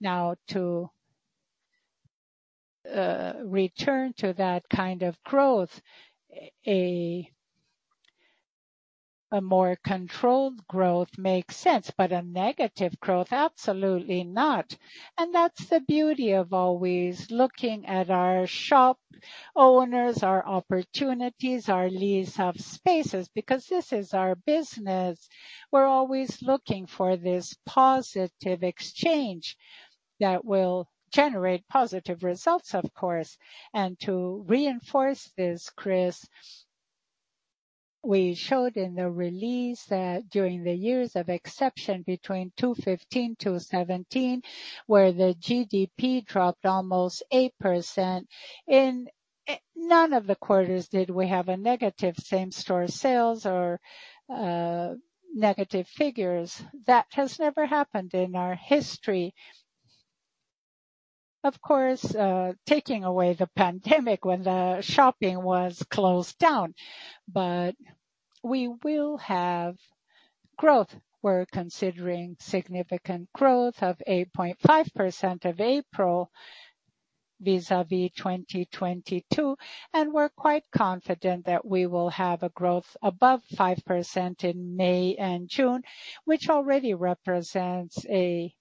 To return to that kind of growth, a more controlled growth makes sense, a negative growth, absolutely not. That's the beauty of always looking at our shop owners, our opportunities, our lease of spaces, because this is our business. We're always looking for this positive exchange that will generate positive results, of course. To reinforce this, Chris, we showed in the release that during the years of exception between 2015, 2017, where the GDP dropped almost 8%, in none of the quarters did we have a negative same-store sales or negative figures. That has never happened in our history. Of course, taking away the pandemic when the shopping was closed down. We will have growth. We're considering significant growth of 8.5% of April vis-à-vis 2022, and we're quite confident that we will have a growth above 5% in May and June, which already represents a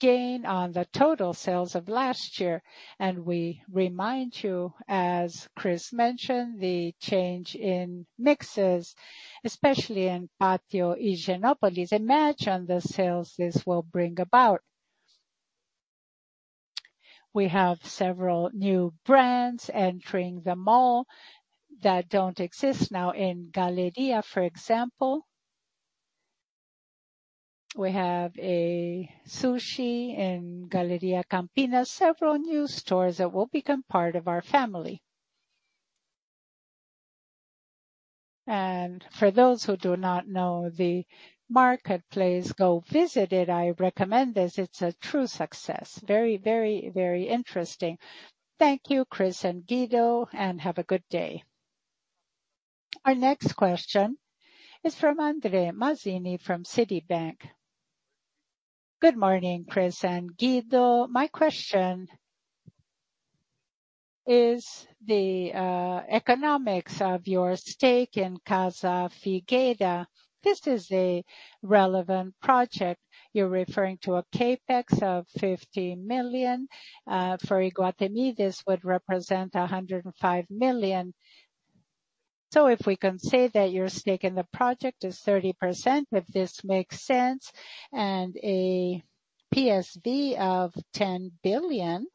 gain on the total sales of last year. We remind you, as Chris mentioned, the change in mixes, especially in Pátio Higienópolis. Imagine the sales this will bring about. We have several new brands entering the mall that don't exist now. In Galleria, for example, we have a sushi in Galleria Campinas. Several new stores that will become part of our family. For those who do not know the marketplace, go visit it. I recommend this. It's a true success. Very, very, very interesting. Thank you, Chris and Guido, and have a good day. Our next question is from Andre Mazini from Citi. Good morning, Chris and Guido. My question is the economics of your stake in Casa Figueira. This is a relevant project. You're referring to a CapEx of 50 million for Iguatemi. This would represent 105 million. If we can say that your stake in the project is 30%, if this makes sense, and a PSV of 10 billion,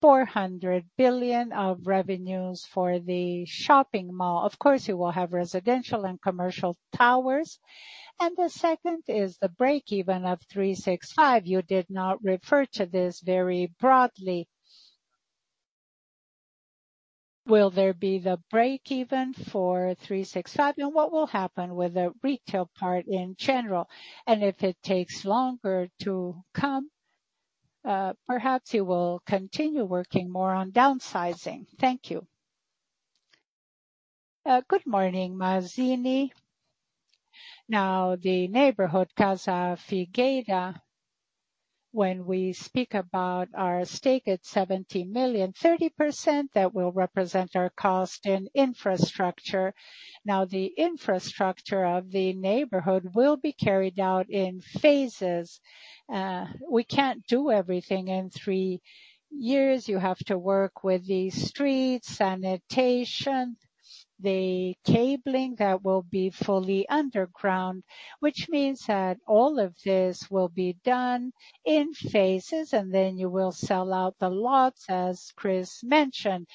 400 billion of revenues for the shopping mall. Of course, you will have residential and commercial towers. The second is the breakeven of Iguatemi 365. You did not refer to this very broadly. Will there be the breakeven for Iguatemi 365? And what will happen with the retail part in general? If it takes longer to come, perhaps you will continue working more on downsizing. Thank you. Good morning, Mazini. The neighborhood Casa Figueira, when we speak about our stake at 70 million, 30%, that will represent our cost in infrastructure. The infrastructure of the neighborhood will be carried out in phases. We can't do everything in three years. You have to work with the streets, sanitation, the cabling that will be fully underground, which means that all of this will be done in phases, and then you will sell out the lots, as Chris mentioned.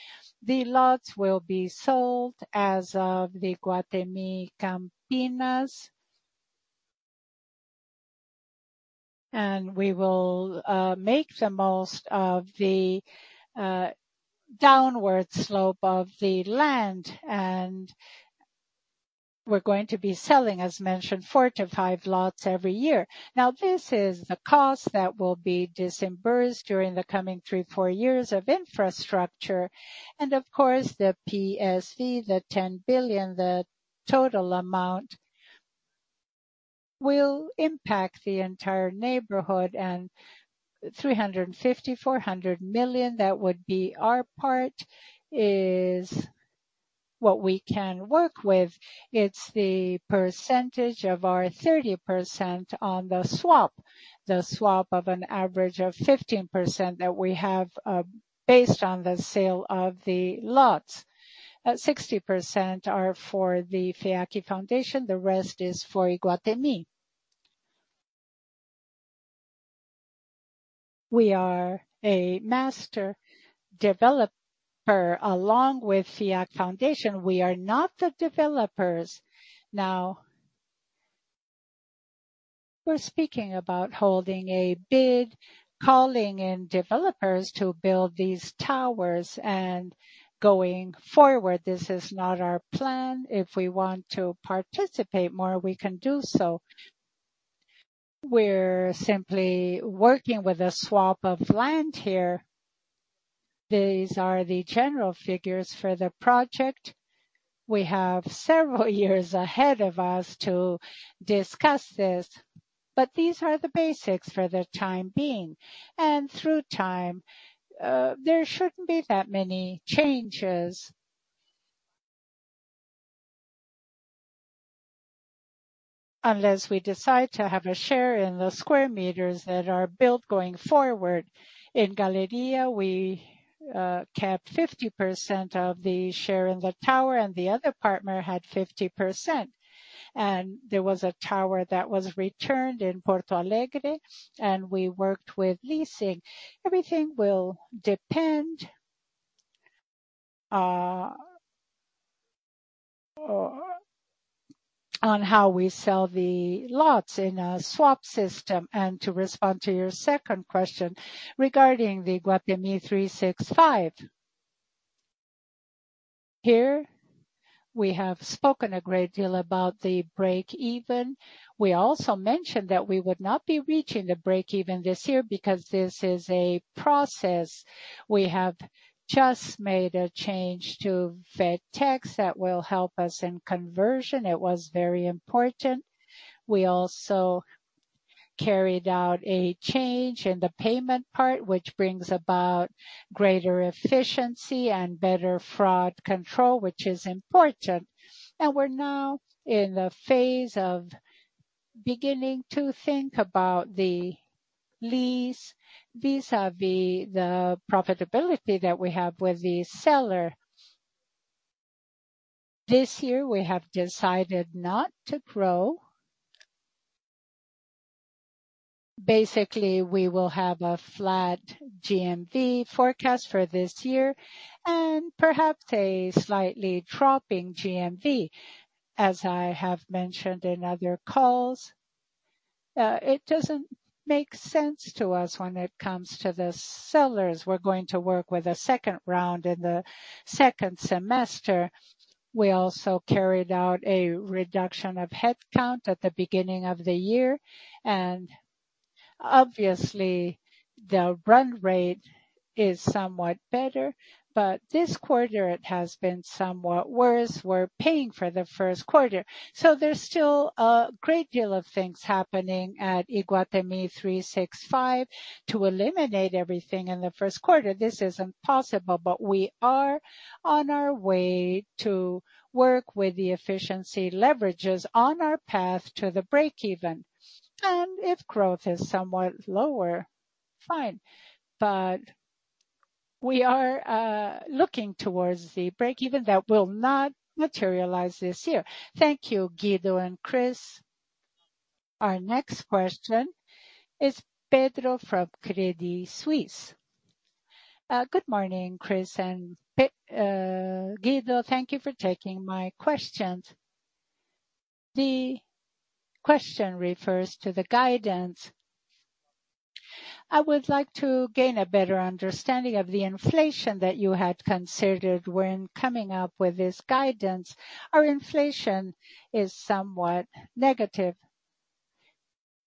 The lots will be sold as of the Iguatemi Campinas. We will make the most of the downward slope of the land, and we're going to be selling, as mentioned, four to five lots every year. This is the cost that will be disbursed during the coming 3-4 years of infrastructure. Of course, the PSV, the 10 billion, the total amount will impact the entire neighborhood. 350 million-400 million, that would be our part, is what we can work with. It's the percentage of our 30% on the swap, the swap of an average of 15% that we have, based on the sale of the lots. 60% are for the Fundação FEAC. The rest is for Iguatemi. We are a master developer along with Fundação FEAC. We are not the developers. We're speaking about holding a bid, calling in developers to build these towers and going forward. This is not our plan. If we want to participate more, we can do so. We're simply working with a swap of land here. These are the general figures for the project. We have several years ahead of us to discuss this, but these are the basics for the time being. Through time, there shouldn't be that many changes. Unless we decide to have a share in the square meters that are built going forward. In Galleria, we kept 50% of the share in the tower, and the other partner had 50%. There was a tower that was returned in Porto Alegre, and we worked with leasing. Everything will depend on how we sell the lots in a swap system. To respond to your second question regarding the Iguatemi 365. Here we have spoken a great deal about the break even. We also mentioned that we would not be reaching the break even this year because this is a process. We have just made a change to FedTech that will help us in conversion. It was very important. We also carried out a change in the payment part, which brings about greater efficiency and better fraud control, which is important. We're now in the phase of beginning to think about the lease vis-à-vis the profitability that we have with the seller. This year we have decided not to grow. Basically, we will have a flat GMV forecast for this year and perhaps a slightly dropping GMV. As I have mentioned in other calls, it doesn't make sense to us when it comes to the sellers. We're going to work with a second round in the second semester. We also carried out a reduction of headcount at the beginning of the year, and obviously the run rate is somewhat better, but this quarter it has been somewhat worse. We're paying for the 1st quarter. There's still a great deal of things happening at Iguatemi 365 to eliminate everything in the 1st quarter. This isn't possible, but we are on our way to work with the efficiency leverages on our path to the breakeven. If growth is somewhat lower. Fine. We are looking towards the breakeven that will not materialize this year. Thank you, Guido and Chris. Our next question is Pedro from Credit Suisse. Good morning, Chris and Guido. Thank you for taking my questions. The question refers to the guidance. I would like to gain a better understanding of the inflation that you had considered when coming up with this guidance. Our inflation is somewhat negative.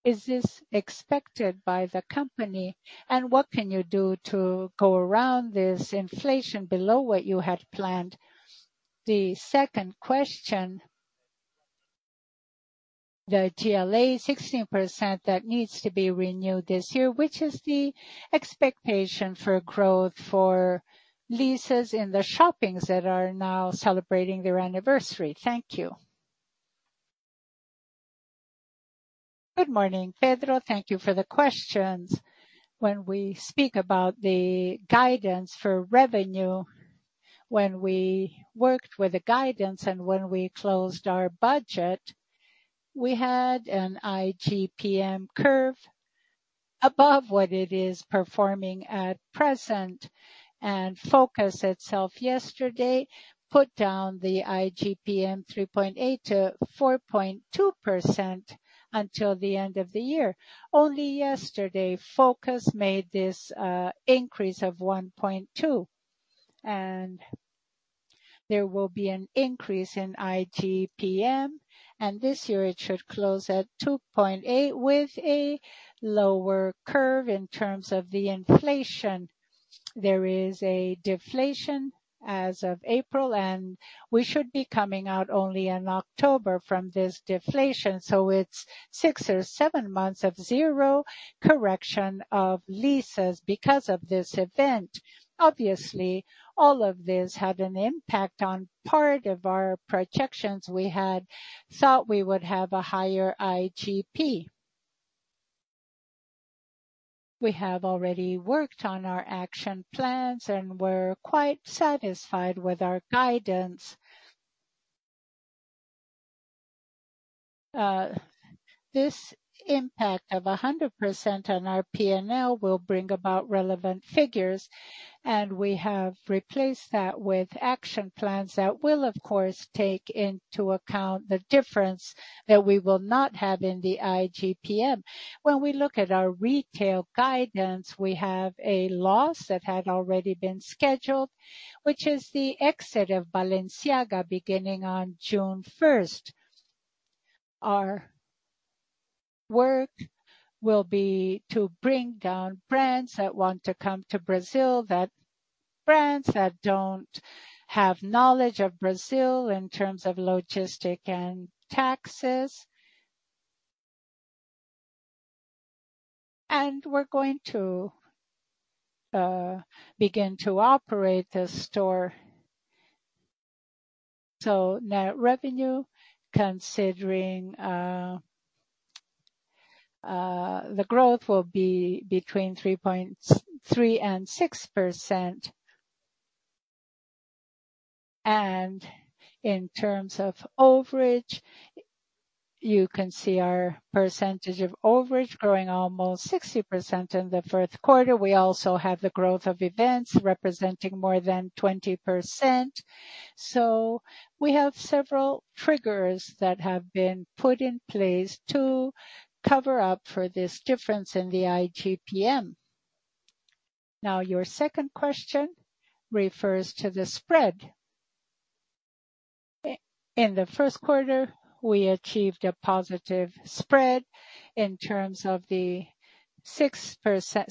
Is this expected by the company? What can you do to go around this inflation below what you had planned? The second question, the GLA 16% that needs to be renewed this year, which is the expectation for growth for leases in the shoppings that are now celebrating their anniversary. Thank you. Good morning, Pedro. Thank you for the questions. When we speak about the guidance for revenue, when we worked with the guidance and when we closed our budget, we had an IGPM curve above what it is performing at present. Focus itself yesterday put down the IGPM 3.8%-4.2% until the end of the year. Only yesterday, Focus made this increase of 1.2%, and there will be an increase in IGPM, and this year it should close at 2.8% with a lower curve in terms of the inflation. There is a deflation as of April. We should be coming out only in October from this deflation. It's six or seven months of zero correction of leases because of this event. Obviously, all of this had an impact on part of our projections. We had thought we would have a higher IGP. We have already worked on our action plans, and we're quite satisfied with our guidance. This impact of 100% on our P&L will bring about relevant figures, and we have replaced that with action plans that will, of course, take into account the difference that we will not have in the IGPM. When we look at our retail guidance, we have a loss that had already been scheduled, which is the exit of Balenciaga beginning on June first. Our work will be to bring down brands that want to come to Brazil, brands that don't have knowledge of Brazil in terms of logistics and taxes. We're going to begin to operate the store. Net revenue, considering the growth will be between 3.3 and 6%. In terms of overage, you can see our percentage of overage growing almost 60% in the first quarter. We also have the growth of events representing more than 20%. We have several triggers that have been put in place to cover up for this difference in the IGPM. Your second question refers to the spread. In the first quarter, we achieved a positive spread. In terms of the 16%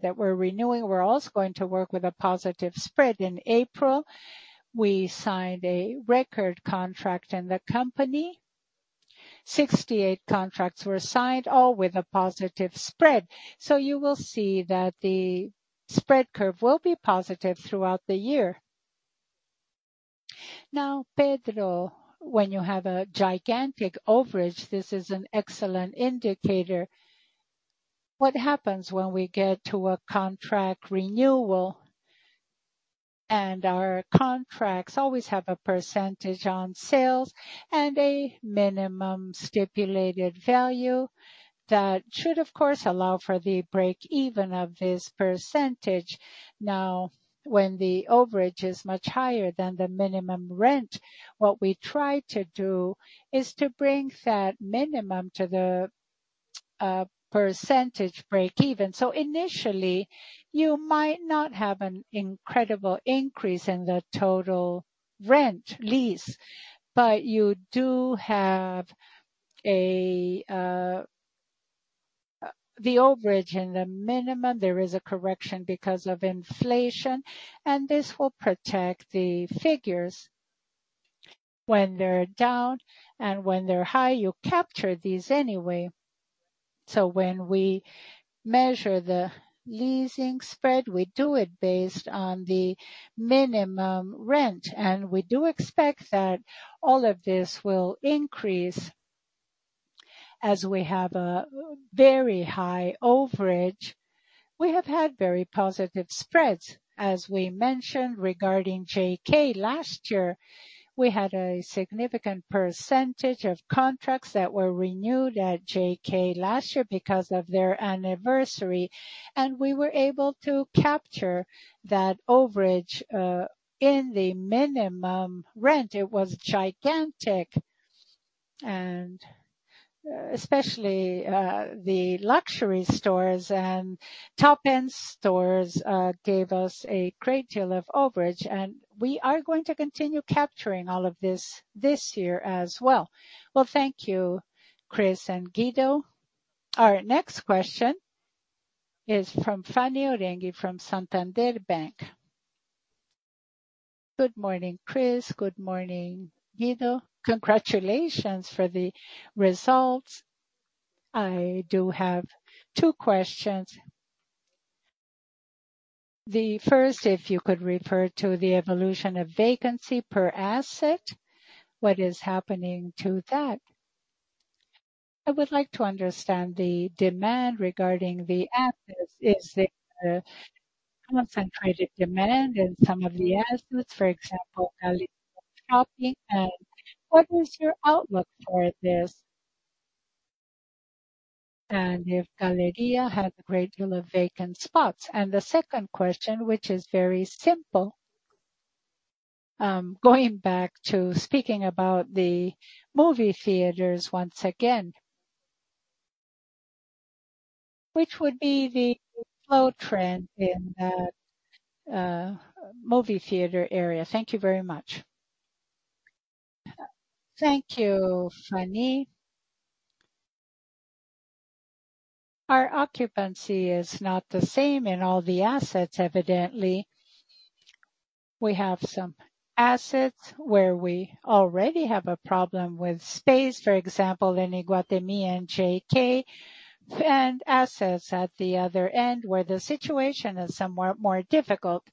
that we're renewing, we're also going to work with a positive spread. In April, we signed a record contract in the company. 68 contracts were signed, all with a positive spread. You will see that the spread curve will be positive throughout the year. Pedro, when you have a gigantic overage, this is an excellent indicator. What happens when we get to a contract renewal, and our contracts always have a percentage on sales and a minimum stipulated value that should of course allow for the break-even of this percentage. When the overage is much higher than the minimum rent, what we try to do is to bring that minimum to the percentage break-even. Initially, you might not have an incredible increase in the total rent lease, but you do have the overage and the minimum. There is a correction because of inflation. This will protect the figures when they're down and when they're high, you capture these anyway. When we measure the leasing spread, we do it based on the minimum rent. We do expect that all of this will increase. As we have a very high overage, we have had very positive spreads. We mentioned regarding JK Iguatemi last year, we had a significant percentage of contracts that were renewed at JK Iguatemi last year because of their anniversary, and we were able to capture that overage in the minimum rent. It was gigantic. Especially, the luxury stores and top-end stores gave us a great deal of overage, and we are going to continue capturing all of this year as well. Thank you, Chris and Guido. Our next question is from Fanny Oreng from Santander. Good morning, Chris. Good morning, Guido. Congratulations for the results. I do have two questions. The first, if you could refer to the evolution of vacancy per asset, what is happening to that? I would like to understand the demand regarding the assets. Is there a concentrated demand in some of the assets, for example, Galleria Shopping? What is your outlook for this? If Galleria had a great deal of vacant spots. The second question, which is very simple, going back to speaking about the movie theaters once again. Which would be the flow trend in that movie theater area? Thank you very much. Thank you, Fanny. Our occupancy is not the same in all the assets evidently. We have some assets where we already have a problem with space, for example, in Iguatemi and JK, and assets at the other end where the situation is somewhat more difficult.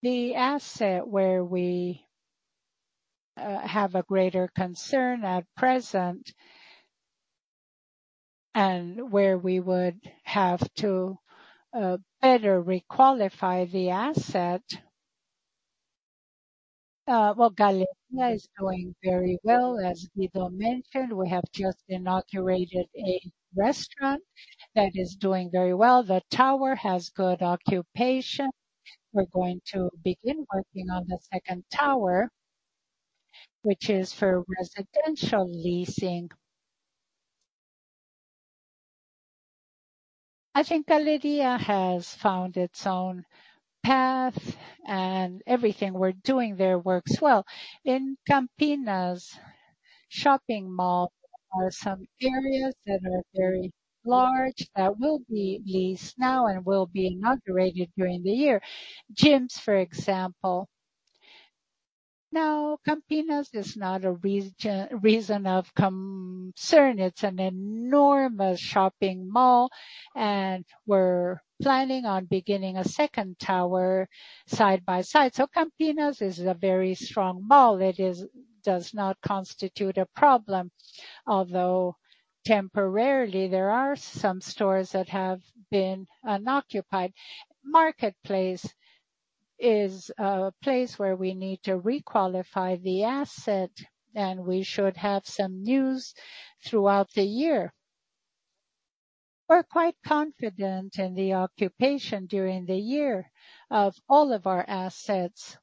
The asset where we have a greater concern at present and where we would have to better re-qualify the asset. Well, Galleria is doing very well. As Guido mentioned, we have just inaugurated a restaurant that is doing very well. The tower has good occupation. We're going to begin working on the second tower, which is for residential leasing. I think Galleria has found its own path, and everything we're doing there works well. In Campinas shopping mall, there are some areas that are very large that will be leased now and will be inaugurated during the year. Gyms, for example. No, Campinas is not a reason of concern. It's an enormous shopping mall. We're planning on beginning a second tower side by side. Campinas is a very strong mall. It does not constitute a problem, although temporarily, there are some stores that have been unoccupied. Marketplace is a place where we need to re-qualify the asset. We should have some news throughout the year. We're quite confident in the occupation during the year of all of our assets.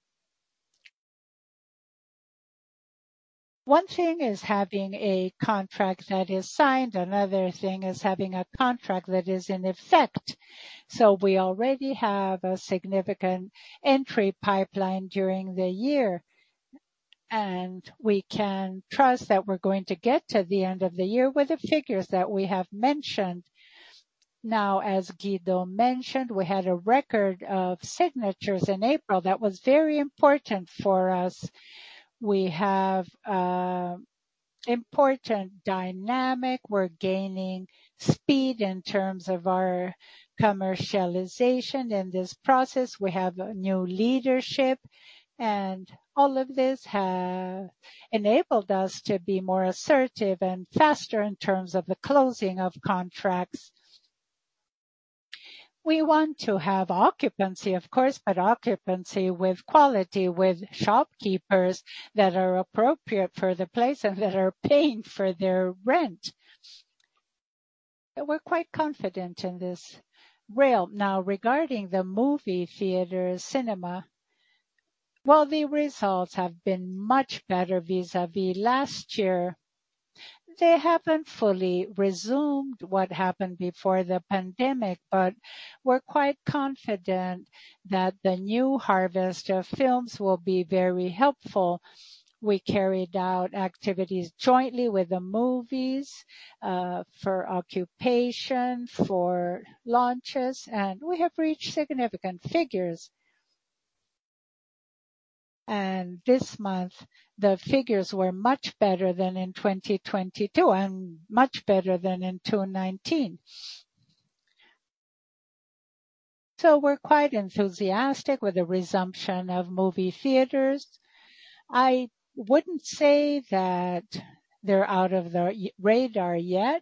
One thing is having a contract that is signed. Another thing is having a contract that is in effect. We already have a significant entry pipeline during the year. We can trust that we're going to get to the end of the year with the figures that we have mentioned. As Guido mentioned, we had a record of signatures in April. That was very important for us. We have important dynamic. We're gaining speed in terms of our commercialization in this process. We have new leadership, and all of this have enabled us to be more assertive and faster in terms of the closing of contracts. We want to have occupancy, of course, but occupancy with quality, with shopkeepers that are appropriate for the place and that are paying for their rent. We're quite confident in this realm. Now, regarding the movie theater cinema, while the results have been much better vis-a-vis last year, they haven't fully resumed what happened before the pandemic. We're quite confident that the new harvest of films will be very helpful. We carried out activities jointly with the movies, for occupation, for launches, and we have reached significant figures. This month, the figures were much better than in 2022 and much better than in 2019. We're quite enthusiastic with the resumption of movie theaters. I wouldn't say that they're out of the radar yet.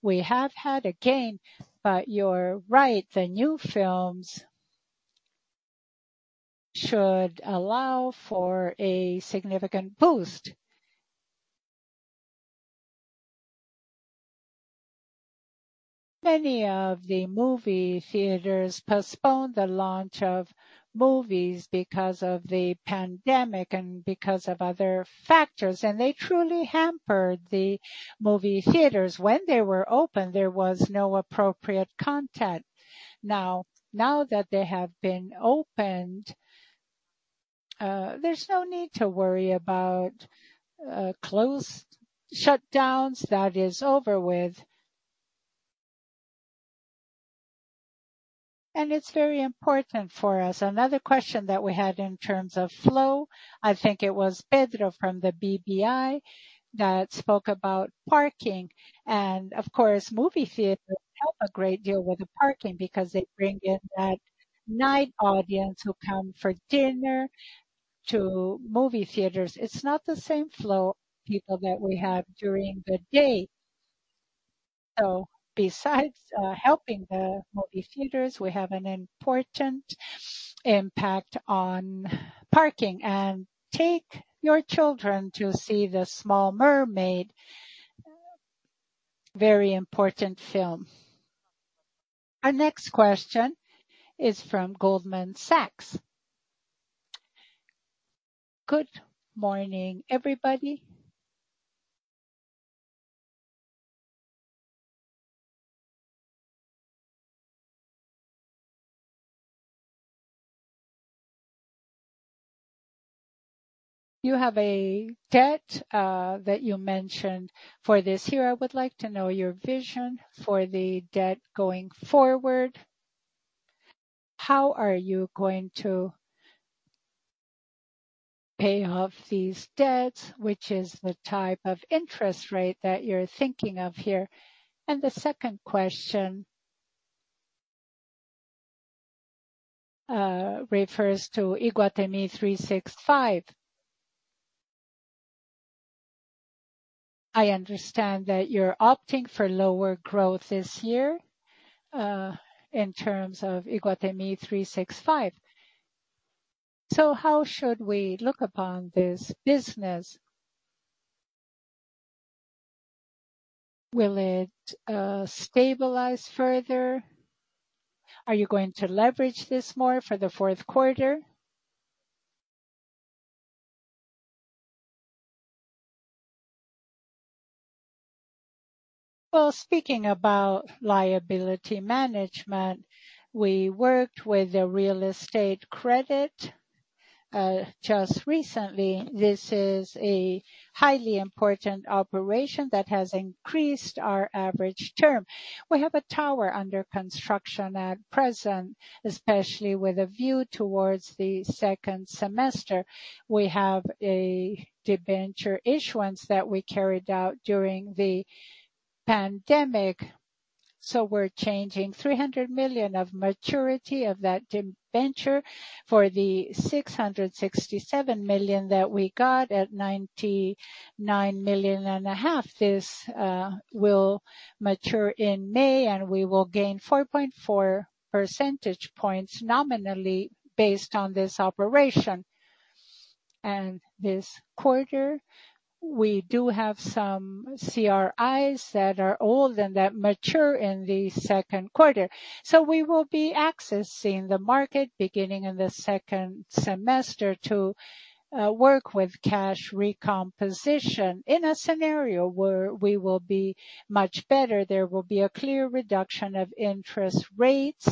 We have had a gain, but you're right, the new films should allow for a significant boost. Many of the movie theaters postponed the launch of movies because of the pandemic and because of other factors, and they truly hampered the movie theaters. When they were open, there was no appropriate content. Now that they have been opened, there's no need to worry about shutdowns. That is over with. It's very important for us. Another question that we had in terms of flow, I think it was Pedro from the BBI that spoke about parking. Of course, movie theaters help a great deal with the parking because they bring in that night audience who come for dinner to movie theaters. It's not the same flow of people that we have during the day. Besides helping the movie theaters, we have an important impact on parking. Take your children to see The Little Mermaid. Very important film. Our next question is from Goldman Sachs. Good morning, everybody. You have a debt that you mentioned for this year. I would like to know your vision for the debt going forward. How are you going to pay off these debts? Which is the type of interest rate that you're thinking of here? The second question refers to Iguatemi 365. I understand that you're opting for lower growth this year in terms of Iguatemi 365. How should we look upon this business? Will it stabilize further? Are you going to leverage this more for the fourth quarter? Speaking about liability management, we worked with a real estate credit just recently. This is a highly important operation that has increased our average term. We have a tower under construction at present, especially with a view towards the second semester. We have a debenture issuance that we carried out during the pandemic, we're changing 300 million of maturity of that debenture for the 667 million that we got at 99 million and a half. This will mature in May, we will gain 4.4 percentage points nominally based on this operation. This quarter, we do have some CRIs that are old and that mature in the second quarter. We will be accessing the market beginning in the second semester to work with cash recomposition in a scenario where we will be much better. There will be a clear reduction of interest rates,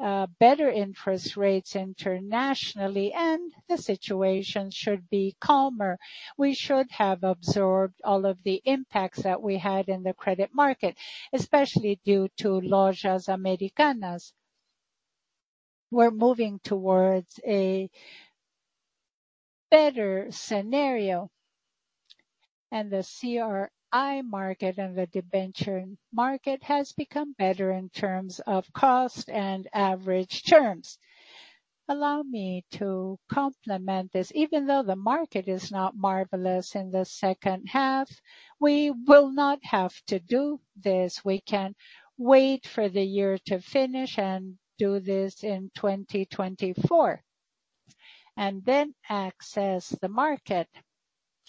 better interest rates internationally, and the situation should be calmer. We should have absorbed all of the impacts that we had in the credit market, especially due to Lojas Americanas. We're moving towards a better scenario. The CRI market and the debenture market has become better in terms of cost and average terms. Allow me to complement this. Even though the market is not marvelous in the second half, we will not have to do this. We can wait for the year to finish and do this in 2024, then access the market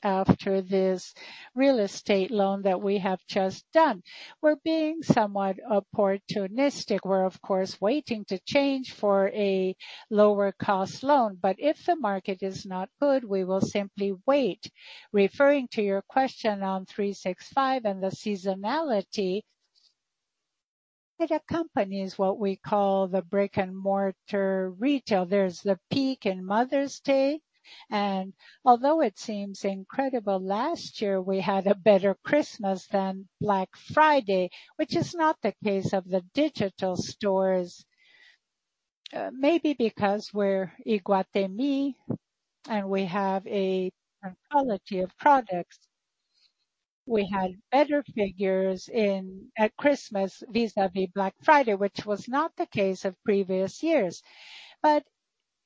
after this real estate loan that we have just done. We're being somewhat opportunistic. We're of course, waiting to change for a lower cost loan. If the market is not good, we will simply wait. Referring to your question on Iguatemi 365 and the seasonality, it accompanies what we call the brick-and-mortar retail. There's the peak in Mother's Day. Although it seems incredible, last year we had a better Christmas than Black Friday, which is not the case of the digital stores. Maybe because we're Iguatemi and we have a different quality of products. We had better figures at Christmas vis-a-vis Black Friday, which was not the case of previous years.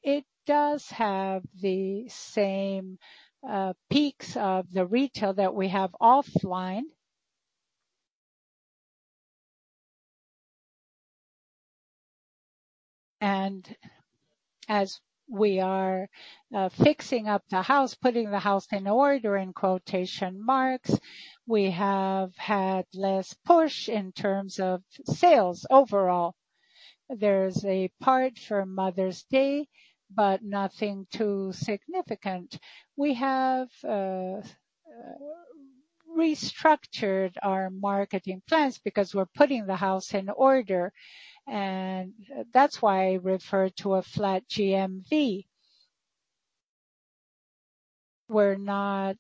It does have the same peaks of the retail that we have offline. As we are fixing up the house, putting the house in order, in quotation marks, we have had less push in terms of sales overall. There's a part for Mother's Day, nothing too significant. We have restructured our marketing plans because we're putting the house in order, that's why I refer to a flat GMV. We're not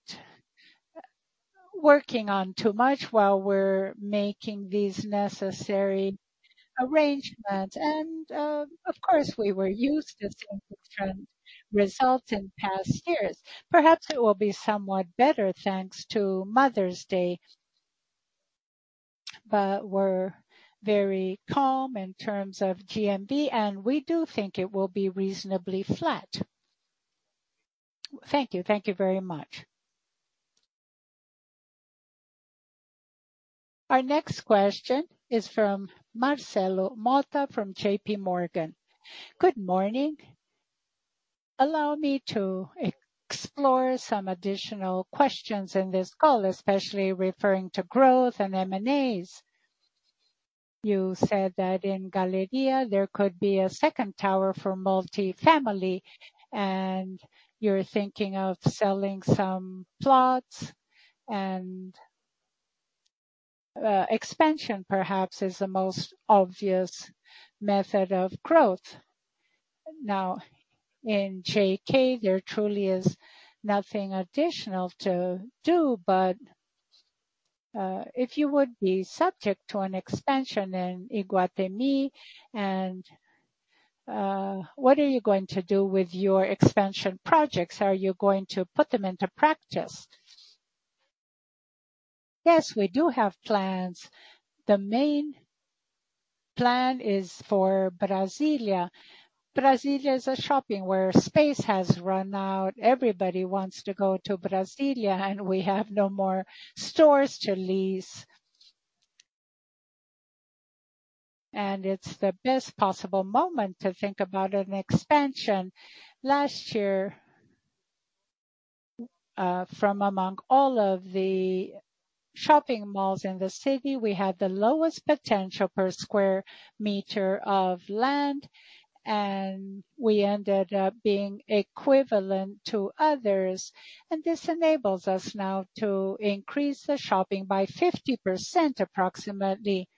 working on too much while we're making these necessary arrangements. Of course, we were used to different results in past years. Perhaps it will be somewhat better thanks to Mother's Day. We're very calm in terms of GMV, we do think it will be reasonably flat. Thank you. Thank you very much. Our next question is from Marcelo Motta from JPMorgan. Good morning. Allow me to explore some additional questions in this call, especially referring to growth and M&As. You said that in Galleria there could be a second tower for multifamily, you're thinking of selling some plots, expansion perhaps is the most obvious method of growth. In JK, there truly is nothing additional to do. If you would be subject to an expansion in Iguatemi, what are you going to do with your expansion projects? Are you going to put them into practice? Yes, we do have plans. The main plan is for Brasília. Brasília is a shopping where space has run out. Everybody wants to go to Brasília, and we have no more stores to lease. It's the best possible moment to think about an expansion. Last year, from among all of the shopping malls in the city, we had the lowest potential per square meter of land, and we ended up being equivalent to others. This enables us now to increase the shopping by 50% approximately.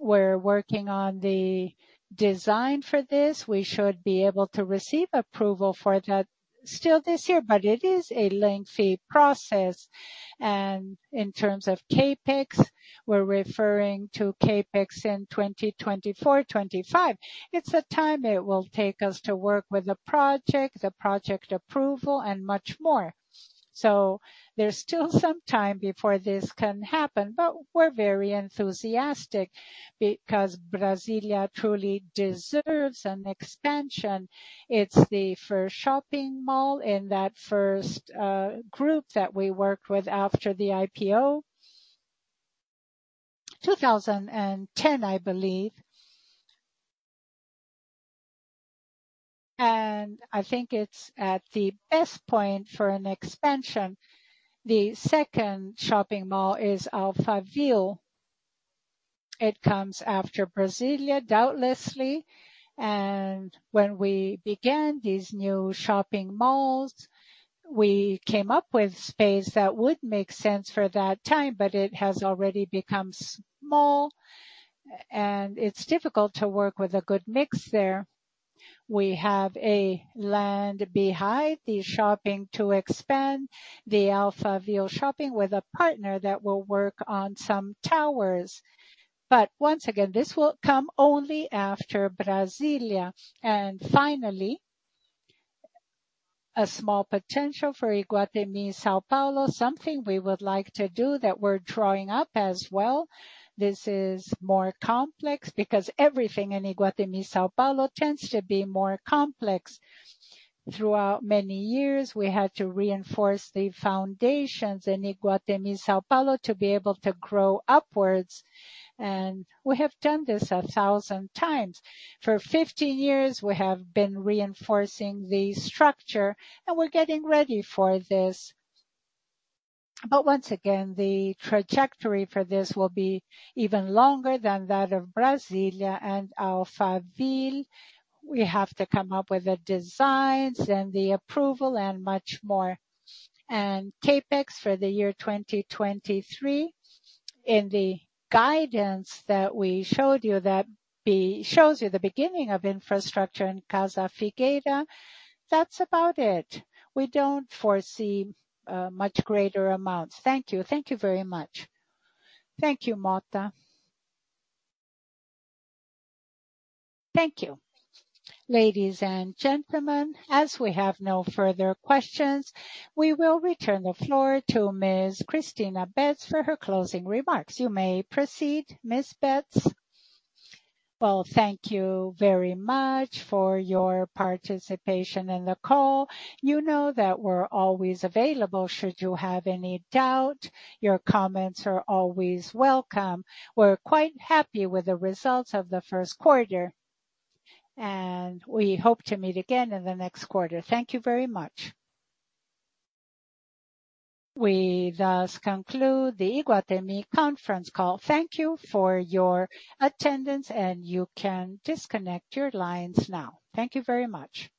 We're working on the design for this. We should be able to receive approval for that still this year, but it is a lengthy process. In terms of CapEx, we're referring to CapEx in 2024, 25. It's a time it will take us to work with the project, the project approval and much more. There's still some time before this can happen, but we're very enthusiastic because Brasília truly deserves an expansion. It's the first shopping mall in that first group that we worked with after the IPO. 2010, I believe. I think it's at the best point for an expansion. The second shopping mall is Alphaville. It comes after Brasília, doubtlessly. When we began these new shopping malls, we came up with space that would make sense for that time, but it has already become small, and it's difficult to work with a good mix there. We have a land behind the shopping to expand the Alphaville shopping with a partner that will work on some towers. Once again, this will come only after Brasília. Finally, a small potential for Iguatemi São Paulo, something we would like to do that we're drawing up as well. This is more complex because everything in Iguatemi São Paulo tends to be more complex. Throughout many years, we had to reinforce the foundations in Iguatemi São Paulo to be able to grow upwards, and we have done this 1,000 times. For 15 years, we have been reinforcing the structure and we're getting ready for this. Once again, the trajectory for this will be even longer than that of Brasília and Alphaville. We have to come up with the designs and the approval and much more. CapEx for the year 2023, in the guidance that we showed you, shows you the beginning of infrastructure in Casa Figueira. That's about it. We don't foresee much greater amounts. Thank you. Thank you very much. Thank you, Mota. Thank you. Ladies and gentlemen, as we have no further questions, we will return the floor to Ms. Cristina Betts for her closing remarks. You may proceed, Ms. Betts. Well, thank you very much for your participation in the call. You know that we're always available should you have any doubt. Your comments are always welcome. We're quite happy with the results of the first quarter, and we hope to meet again in the next quarter. Thank you very much. We thus conclude the Iguatemi conference call. Thank you for your attendance, and you can disconnect your lines now. Thank you very much.